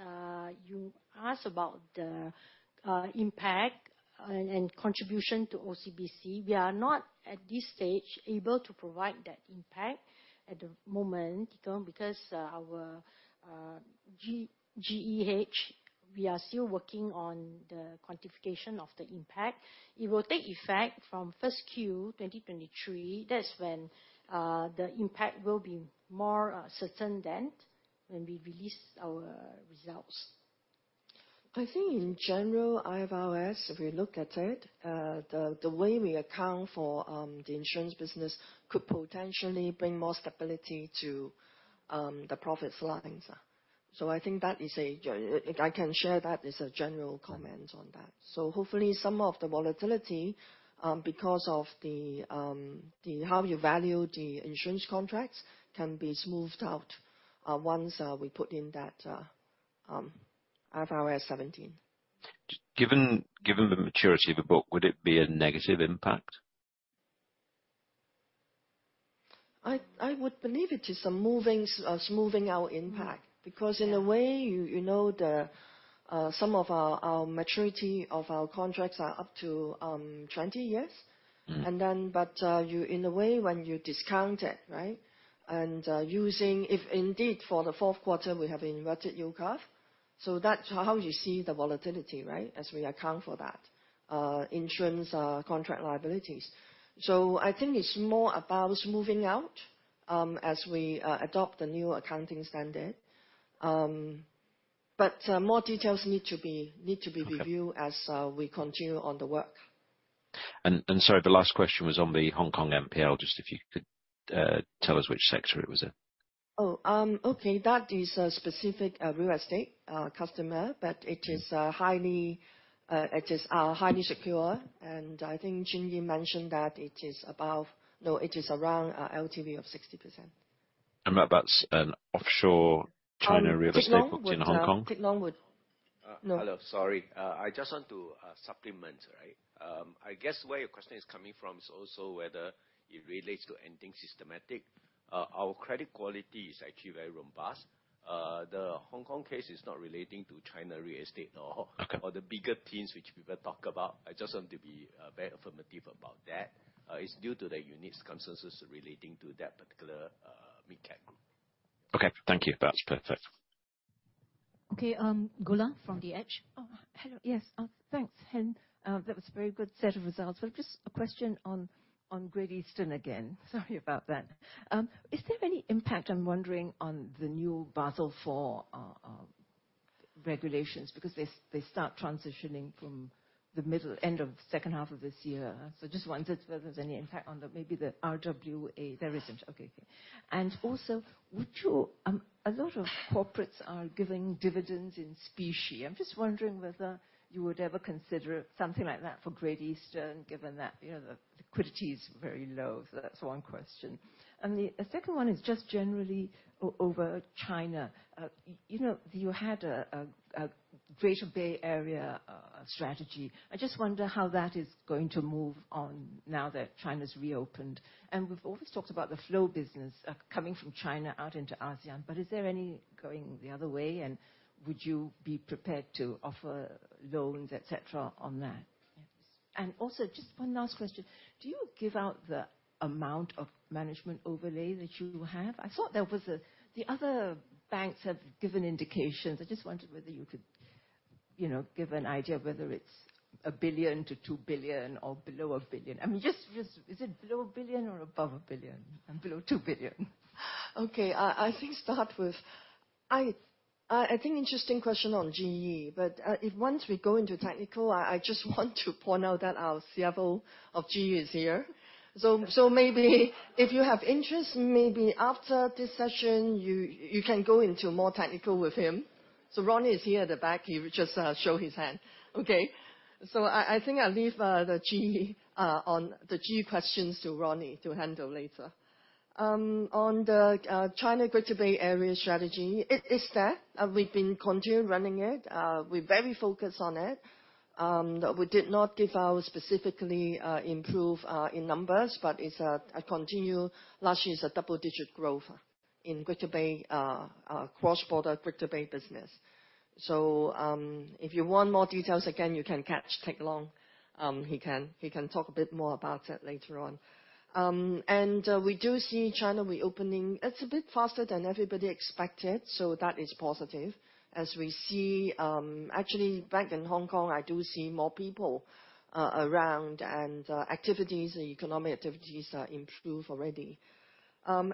B: you asked about the impact and contribution to OCBC. We are not, at this stage, able to provide that impact at the moment because our GEH, we are still working on the quantification of the impact. It will take effect from first Q 2023. That's when the impact will be more certain then when we release our results.
C: I think in general, IFRS, if we look at it, the way we account for the insurance business could potentially bring more stability to the profits lines. I think that is If I can share that as a general comment on that. Hopefully, some of the volatility, because of the how you value the insurance contracts can be smoothed out, once we put in that IFRS 17.
L: Given the maturity of the book, would it be a negative impact?
C: I would believe it is a moving, a smoothing out impact.
B: Yeah.
C: In a way, you know, the some of our maturity of our contracts are up to 20 years.
L: Mm-hmm.
C: You, in a way when you discount it, right? Using... If indeed for the fourth quarter we have inverted yield curve. That's how you see the volatility, right? As we account for that, insurance contract liabilities. I think it's more about smoothing out, as we adopt the new accounting standard. More details need to be reviewed.
L: Okay.
C: As we continue on the work.
L: Sorry, the last question was on the Hong Kong NPL. Just if you could tell us which sector it was in?
C: Okay. That is a specific real estate customer, but it is highly, it is highly secure. And I think Chin Yee mentioned that it is above. No, it is around LTV of 60%.
L: That's an offshore China real estate.
C: Teck Long
L: In Hong Kong.
C: Teck Long would know.
M: Hello. Sorry. I just want to supplement. Right? I guess where your question is coming from is also whether it relates to anything systematic. Our credit quality is actually very robust. The Hong Kong case is not relating to China real estate or -
L: Okay.
M: The bigger teams which people talk about. I just want to be very affirmative about that. It's due to the unique circumstances relating to that particular mid cap.
L: Okay. Thank you. That's perfect.
B: Okay. Goola from The Edge.
N: Hello. Yes. Thanks. That was a very good set of results. Just a question on Great Eastern again. Sorry about that. Is there any impact, I'm wondering, on the new Basel IV regulations because they start transitioning from the middle, end of second half of this year. Just wondered whether there's any impact on the maybe the RWA. There isn't. Okay. Thank you. Would you... A lot of corporates are giving dividends in specie. I'm just wondering whether you would ever consider something like that for Great Eastern, given that, you know, the liquidity is very low. That's 1 question. The 2nd one is just generally over China. You know, you had a Greater Bay Area strategy. I just wonder how that is going to move on now that China's reopened. We've always talked about the flow business coming from China out into ASEAN. Is there any going the other way, and would you be prepared to offer loans, et cetera, on that? Also just 1 last question. Do you give out the amount of management overlay that you have? I thought there was a. The other banks have given indications. I just wondered whether you could, you know, give an idea of whether it's 1 billion-2 billion or below 1 billion. I mean, just is it below 1 billion or above 1 billion and below 2 billion?
C: Okay. I think interesting question on GE. If once we go into technical, I just want to point out that our CFO of GE is here. Maybe if you have interest, maybe after this session, you can go into more technical with him. Ronnie is here at the back. He just show his hand. Okay. I think I'll leave the GE on the GE questions to Ronnie to handle later. On the China Greater Bay Area strategy, it is there. We've been continue running it. We're very focused on it. We did not give out specifically improve in numbers, but it's a continue. Last year is a double-digit growth in Greater Bay cross-border Greater Bay business. If you want more details, again, you can catch Teck Long. He can talk a bit more about that later on. We do see China reopening. It's a bit faster than everybody expected, so that is positive. As we see, actually back in Hong Kong, I do see more people around and activities, economic activities are improved already.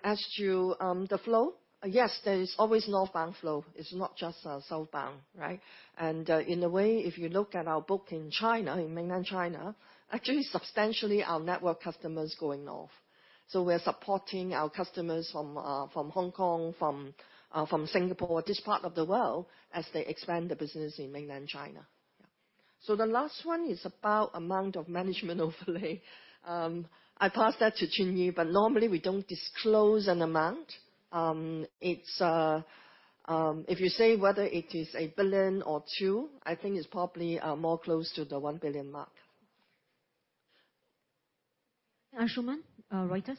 C: As to the flow, yes, there is always north bound flow. It's not just south bound, right? In a way, if you look at our book in China, in mainland China, actually substantially our network customers going north. We're supporting our customers from Hong Kong, from Singapore, this part of the world as they expand the business in mainland China. Yeah. The last one is about amount of management overlay. I pass that Chin Yee, but normally we don't disclose an amount. It's, if you say whether it is 1 billion or 2 billion, I think it's probably more close to the 1 billion mark.
A: Anshuman, Reuters.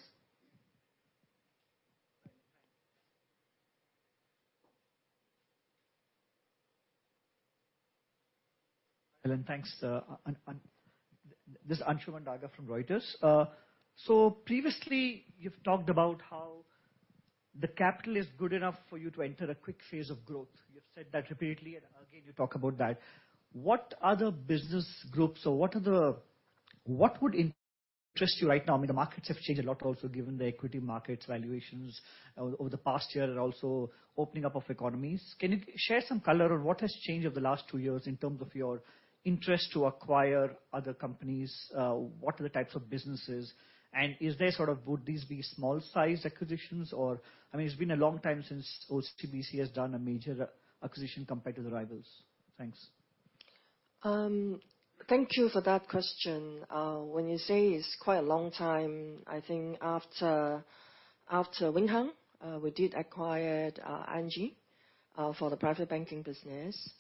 O: Helen, thanks. This is Anshuman Daga from Reuters. Previously you've talked about how the capital is good enough for you to enter a quick phase of growth. You've said that repeatedly, and again you talk about that. What are the business groups or what would interest you right now? I mean, the markets have changed a lot also given the equity markets valuations over the past year and also opening up of economies. Can you share some color on what has changed over the last 2 years in terms of your interest to acquire other companies? What are the types of businesses, and is there sort of would these be small-sized acquisitions? I mean, it's been a long time since OCBC has done a major acquisition compared to the rivals. Thanks.
C: Thank you for that question. When you say it's quite a long time, I think after Wing Hang, we did acquire ING Asia Private Bank for the private banking business.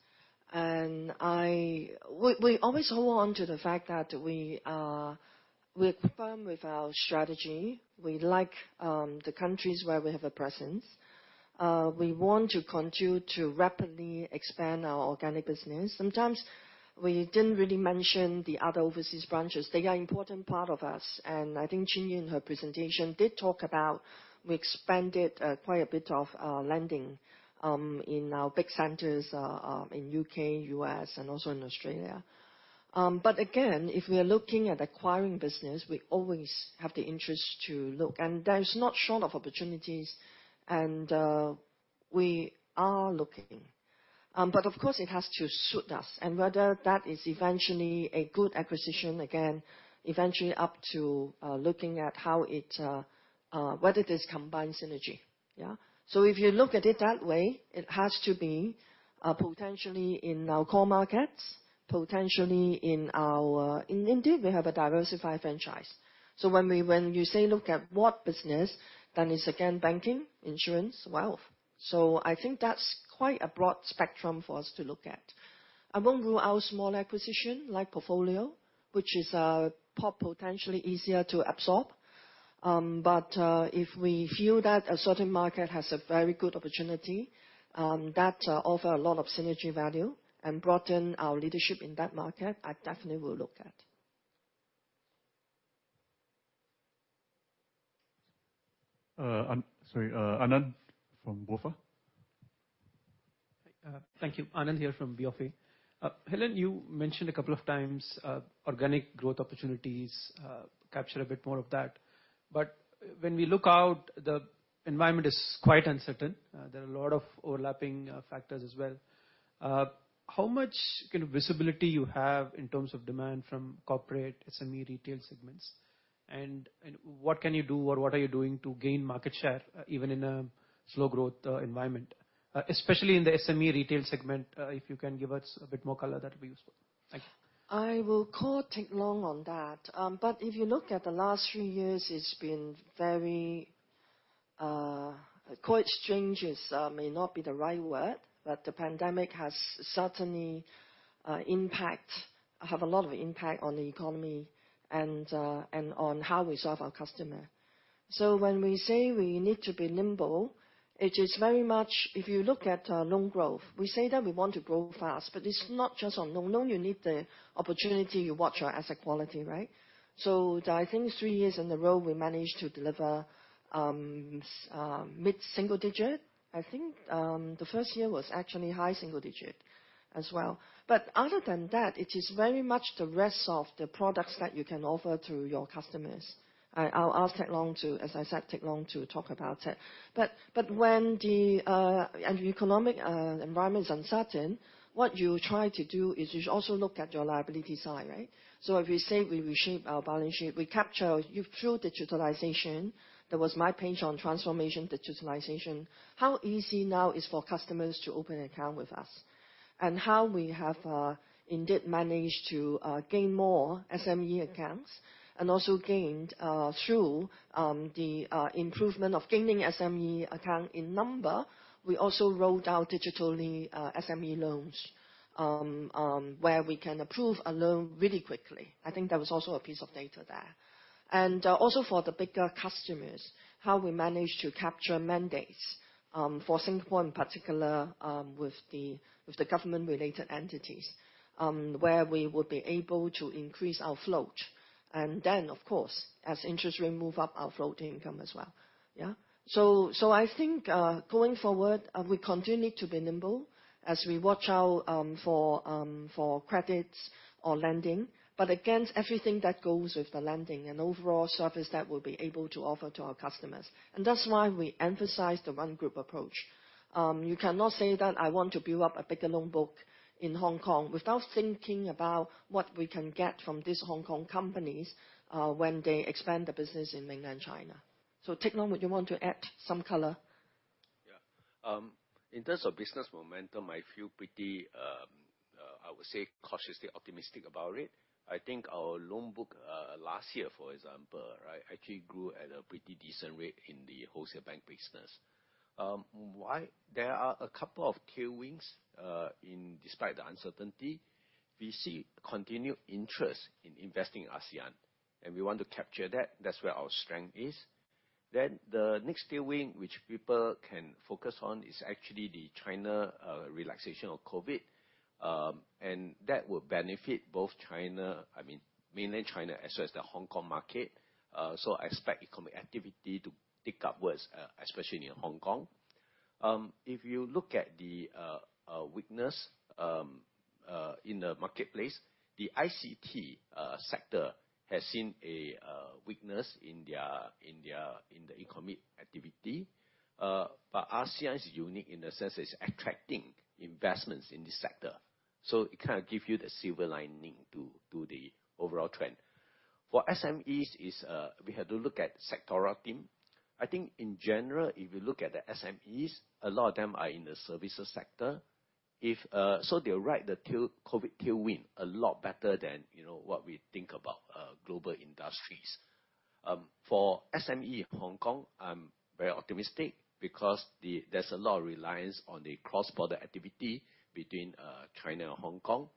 C: We always hold on to the fact that we are firm with our strategy. We like the countries where we have a presence. We want to continue to rapidly expand our organic business. Sometimes we didn't really mention the other overseas branches. They are important part of us, and I Chin Yee in her presentation did talk about we expanded quite a bit of lending in our big centers in U.K., U.S., and also in Australia. But again, if we are looking at acquiring business, we always have the interest to look. There's not short of opportunities, and we are looking. Of course it has to suit us. Whether that is eventually a good acquisition, again, eventually up to looking at how it, whether there's combined synergy, yeah. If you look at it that way, it has to be potentially in our core markets, potentially in our. Indeed we have a diversified franchise. When you say look at what business, then it's again banking, insurance, wealth. I think that's quite a broad spectrum for us to look at. I won't rule out small acquisition like portfolio, which is potentially easier to absorb. If we feel that a certain market has a very good opportunity, that offer a lot of synergy value and broaden our leadership in that market, I definitely will look at.
F: I'm sorry, Anand from BofA.
P: Hi. Thank you. Anand here from BofA. Helen, you mentioned a couple of times, organic growth opportunities, capture a bit more of that. When we look out, the environment is quite uncertain. There are a lot of overlapping, factors as well. How much kind of visibility you have in terms of demand from corporate SME retail segments? What can you do or what are you doing to gain market share, even in a slow growth environment? Especially in the SME retail segment, if you can give us a bit more color, that'd be useful. Thank you.
C: I will call Teck Long on that. If you look at the last three years, it's been very, quite strange is, may not be the right word, but the pandemic has certainly, have a lot of impact on the economy and on how we serve our customer. When we say we need to be nimble, it is very much If you look at loan growth, we say that we want to grow fast, but it's not just on loan. Loan, you need the opportunity, you watch our asset quality, right? I think three years in a row we managed to deliver mid-single digit. I think the first year was actually high single digit as well. Other than that, it is very much the rest of the products that you can offer to your customers. I'll ask Teck Long to, as I said, Teck Long to talk about it. When the economic environment is uncertain, what you try to do is you should also look at your liability side, right? If we say we reshape our balance sheet, we capture through digitalization. That was my page on transformation, digitalization. How easy now is for customers to open an account with us, and how we have indeed managed to gain more SME accounts, and also gained through the improvement of gaining SME account in number. We also rolled out digitally SME loans where we can approve a loan really quickly. I think there was also a piece of data there. Also for the bigger customers, how we managed to capture mandates, for Singapore in particular, with the government-related entities, where we would be able to increase our float. Then, of course, as interest rates move up, our float income as well. Yeah. I think, going forward, we continue to be nimble as we watch out for credits or lending, but against everything that goes with the lending and overall service that we'll be able to offer to our customers. That's why we emphasize the one group approach. You cannot say that I want to build up a bigger loan book in Hong Kong without thinking about what we can get from these Hong Kong companies, when they expand the business in Mainland China. Teck Long, would you want to add some color?
M: Yeah. In terms of business momentum, I feel pretty, I would say cautiously optimistic about it. I think our loan book, last year, for example, right, actually grew at a pretty decent rate in the wholesale bank business. Why? There are a couple of tailwinds, in despite the uncertainty. We see continued interest in investing in ASEAN, and we want to capture that. That's where our strength is. The next tailwind which people can focus on is actually the China, relaxation of COVID. That will benefit both China, I mean, mainland China, as well as the Hong Kong market. I expect economic activity to pick up worse, especially in Hong Kong. If you look at the weakness in the marketplace, the ICT sector has seen a weakness in their economic activity. ASEAN is unique in the sense it's attracting investments in this sector. It kind of give you the silver lining to the overall trend. For SMEs is, we have to look at sectoral theme. I think in general, if you look at the SMEs, a lot of them are in the services sector. If, they ride the COVID tailwind a lot better than, you know, what we think about global industries. For SME Hong Kong, I'm very optimistic because the, there's a lot of reliance on the cross-border activity between China and Hong Kong.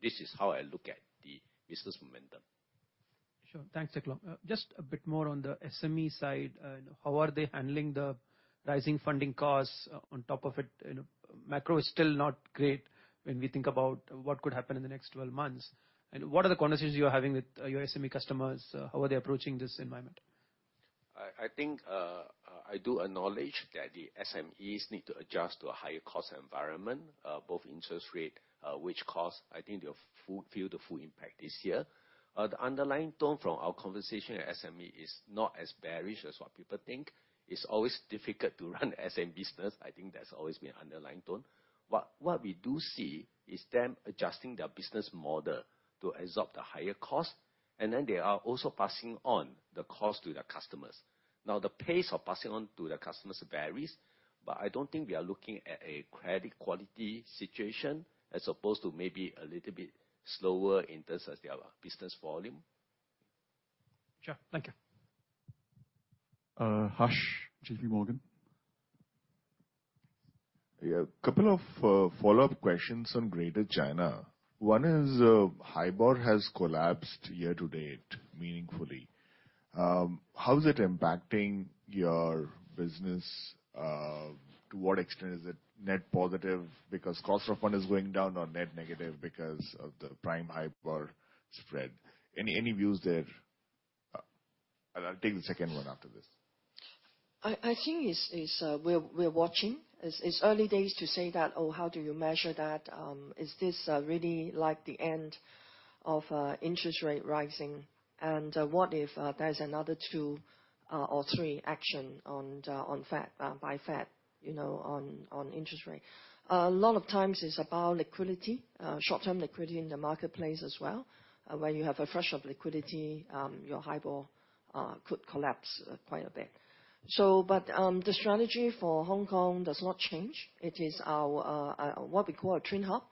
M: This is how I look at the business momentum.
P: Sure. Thanks, Teck Long. Just a bit more on the SME side. How are they handling the rising funding costs on top of it? You know, macro is still not great when we think about what could happen in the next 12 months. What are the conversations you're having with your SME customers? How are they approaching this environment?
M: I think I do acknowledge that the SMEs need to adjust to a higher cost environment, both interest rate, which cost, I think they'll feel the full impact this year. The underlying tone from our conversation at SME is not as bearish as what people think. It's always difficult to run SME business. I think that's always been underlying tone. What we do see is them adjusting their business model to absorb the higher cost, and then they are also passing on the cost to their customers. The pace of passing on to the customers varies, but I don't think we are looking at a credit quality situation as opposed to maybe a little bit slower in terms as their business volume.
P: Sure. Thank you.
E: Harsh, JPMorgan.
G: Yeah. A couple of follow-up questions on Greater China. One is, HIBOR has collapsed year to date meaningfully. How is it impacting your business? To what extent is it net positive because cost of fund is going down or net negative because of the prime HIBOR spread? Any, any views there? I'll take the second one after this.
C: I think it's, we're watching. It's early days to say that, "Oh, how do you measure that? Is this, really like the end of, interest rate rising? What if, there's another two, or three action on the, on Fed, by Fed, you know, on interest rate?" A lot of times it's about liquidity, short-term liquidity in the marketplace as well. When you have a flush of liquidity, your HIBOR, could collapse quite a bit. The strategy for Hong Kong does not change. It is our, what we call a twin hub,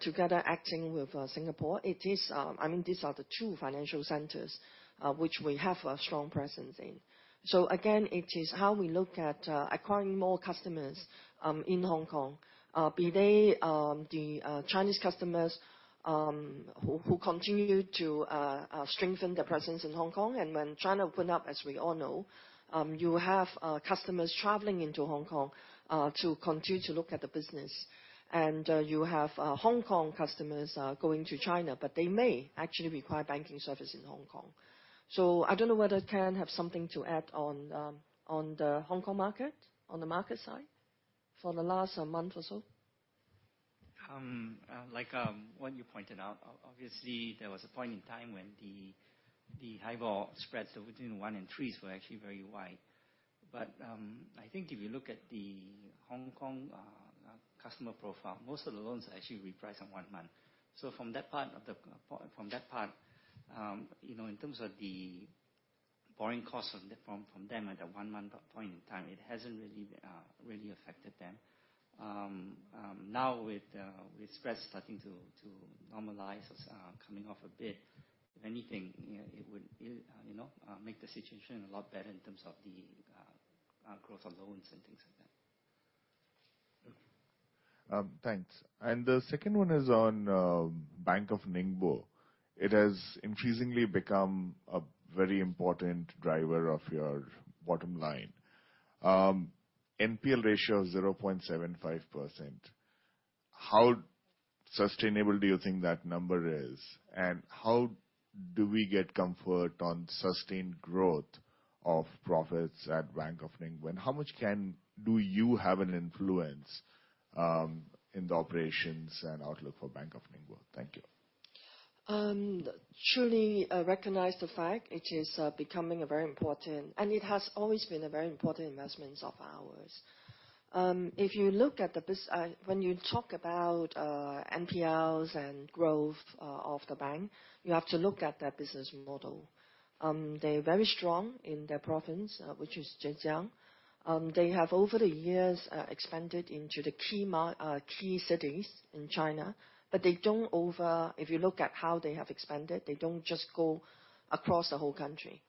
C: together acting with, Singapore. It is, I mean, these are the two financial centers, which we have a strong presence in. Again, it is how we look at acquiring more customers in Hong Kong, be they the Chinese customers who continue to strengthen their presence in Hong Kong. When China open up, as we all know, you have customers traveling into Hong Kong to continue to look at the business. You have Hong Kong customers going to China, but they may actually require banking service in Hong Kong. I don't know whether Ken have something to add on the Hong Kong market, on the market side for the last month or so.
H: Like, what you pointed out, obviously, there was a point in time when the HIBOR spreads between 1 and 3s were actually very wide. I think if you look at the Hong Kong customer profile, most of the loans are actually repriced on one month. From that part, you know, in terms of the borrowing costs from them at the 1 month point in time, it hasn't really affected them. Now with spreads starting to normalize, coming off a bit, if anything, you know, it would, you know, make the situation a lot better in terms of the growth of loans and things like that.
G: Thanks. The second one is on Bank of Ningbo. It has increasingly become a very important driver of your bottom line. NPL ratio of 0.75%, how sustainable do you think that number is? How do we get comfort on sustained growth of profits at Bank of Ningbo? How much can do you have an influence in the operations and outlook for Bank of Ningbo? Thank you.
C: Truly, I recognize the fact it is becoming a very important, and it has always been a very important investments of ours. If you look at when you talk about NPLs and growth of the bank, you have to look at their business model. They're very strong in their province, which is Zhejiang. They have over the years expanded into the key cities in China. If you look at how they have expanded, they don't just go across the whole country.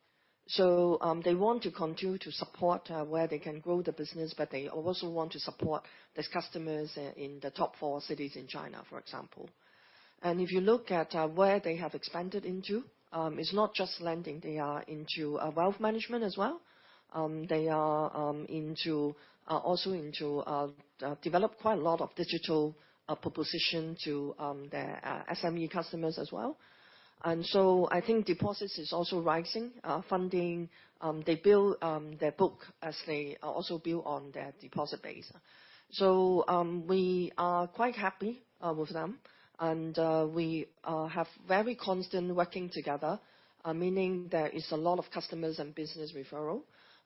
C: They want to continue to support where they can grow the business, but they also want to support these customers in the top four cities in China, for example. If you look at where they have expanded into, it's not just lending. They are into wealth management as well. They are into also into develop quite a lot of digital proposition to their SME customers as well. I think deposits is also rising. Funding, they build their book as they also build on their deposit base. We are quite happy with them. We have very constant working together, meaning there is a lot of customers and business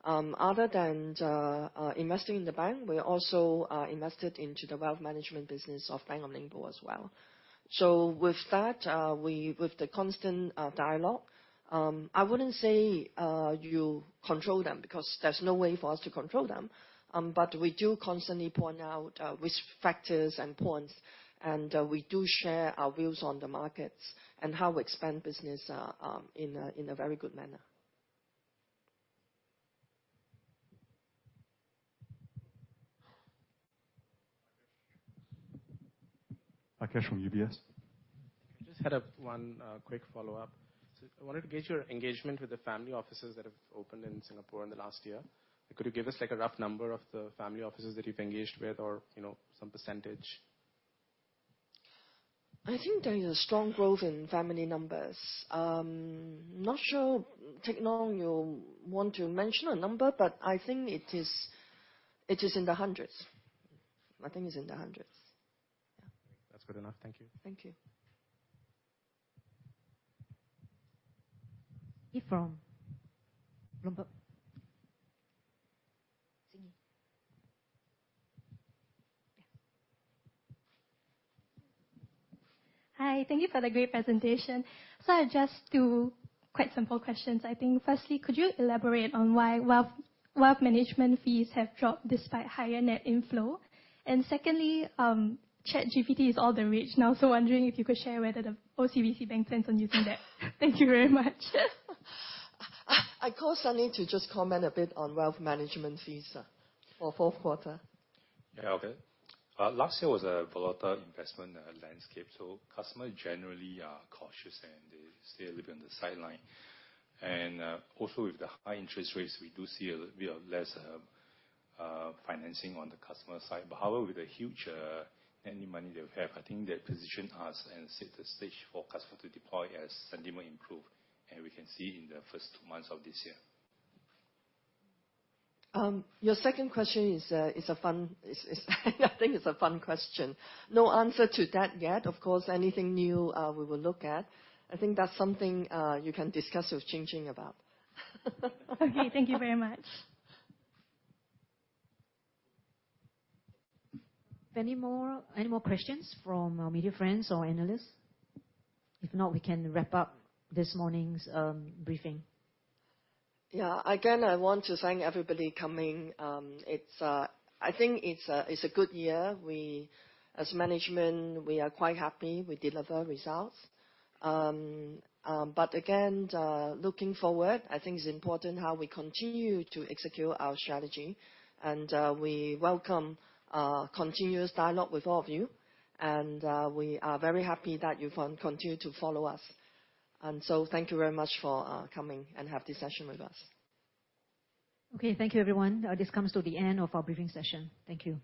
C: referral. Other than investing in the bank, we also invested into the wealth management business of Bank of Ningbo as well. With that, With the constant dialogue, I wouldn't say you control them because there's no way for us to control them. We do constantly point out risk factors and points, and we do share our views on the markets and how we expand business in a very good manner.
F: AAakash from UBS.
E: I just had 1 quick follow-up. I wanted to gauge your engagement with the family offices that have opened in Singapore in the last year. Could you give us like a rough number of the family offices that you've engaged with or, you know, some percentage?
C: I think there is a strong growth in family numbers. Not sure, Teck Long will want to mention a number, but I think it is in the hundreds. I think it's in the hundreds. Yeah.
E: That's good enough. Thank you.
C: Thank you.
A: You from Bloomberg. Chanya. Yeah.
J: Hi. Thank you for the great presentation. I just two quite simple questions, I think. Firstly, could you elaborate on why wealth management fees have dropped despite higher net inflow? Secondly, ChatGPT is all the rage now, wondering if you could share whether the OCBC Bank plans on using that. Thank you very much.
C: I call Sunny to just comment a bit on wealth management fees, for fourth quarter.
D: Yeah, okay. Last year was a volatile investment landscape. Customers generally are cautious and they stay a little bit on the sideline. Also with the high interest rates, we do see a bit of less financing on the customer side. However, with the huge any money they have, I think that position us and set the stage for customer to deploy as sentiment improve, and we can see in the first two months of this year.
C: Your second question is, I think it's a fun question. No answer to that yet. Of course, anything new, we will look at. I think that's something, you can discuss with Ching Ching about.
J: Okay. Thank you very much.
A: Any more questions from our media friends or analysts? If not, we can wrap up this morning's briefing.
C: Yeah. Again, I want to thank everybody coming. I think it's a good year. We, as management, are quite happy we deliver results. Again, looking forward, I think it's important how we continue to execute our strategy, we welcome continuous dialogue with all of you. We are very happy that you continue to follow us. Thank you very much for coming and have this session with us.
A: Okay, thank you, everyone. This comes to the end of our briefing session. Thank you.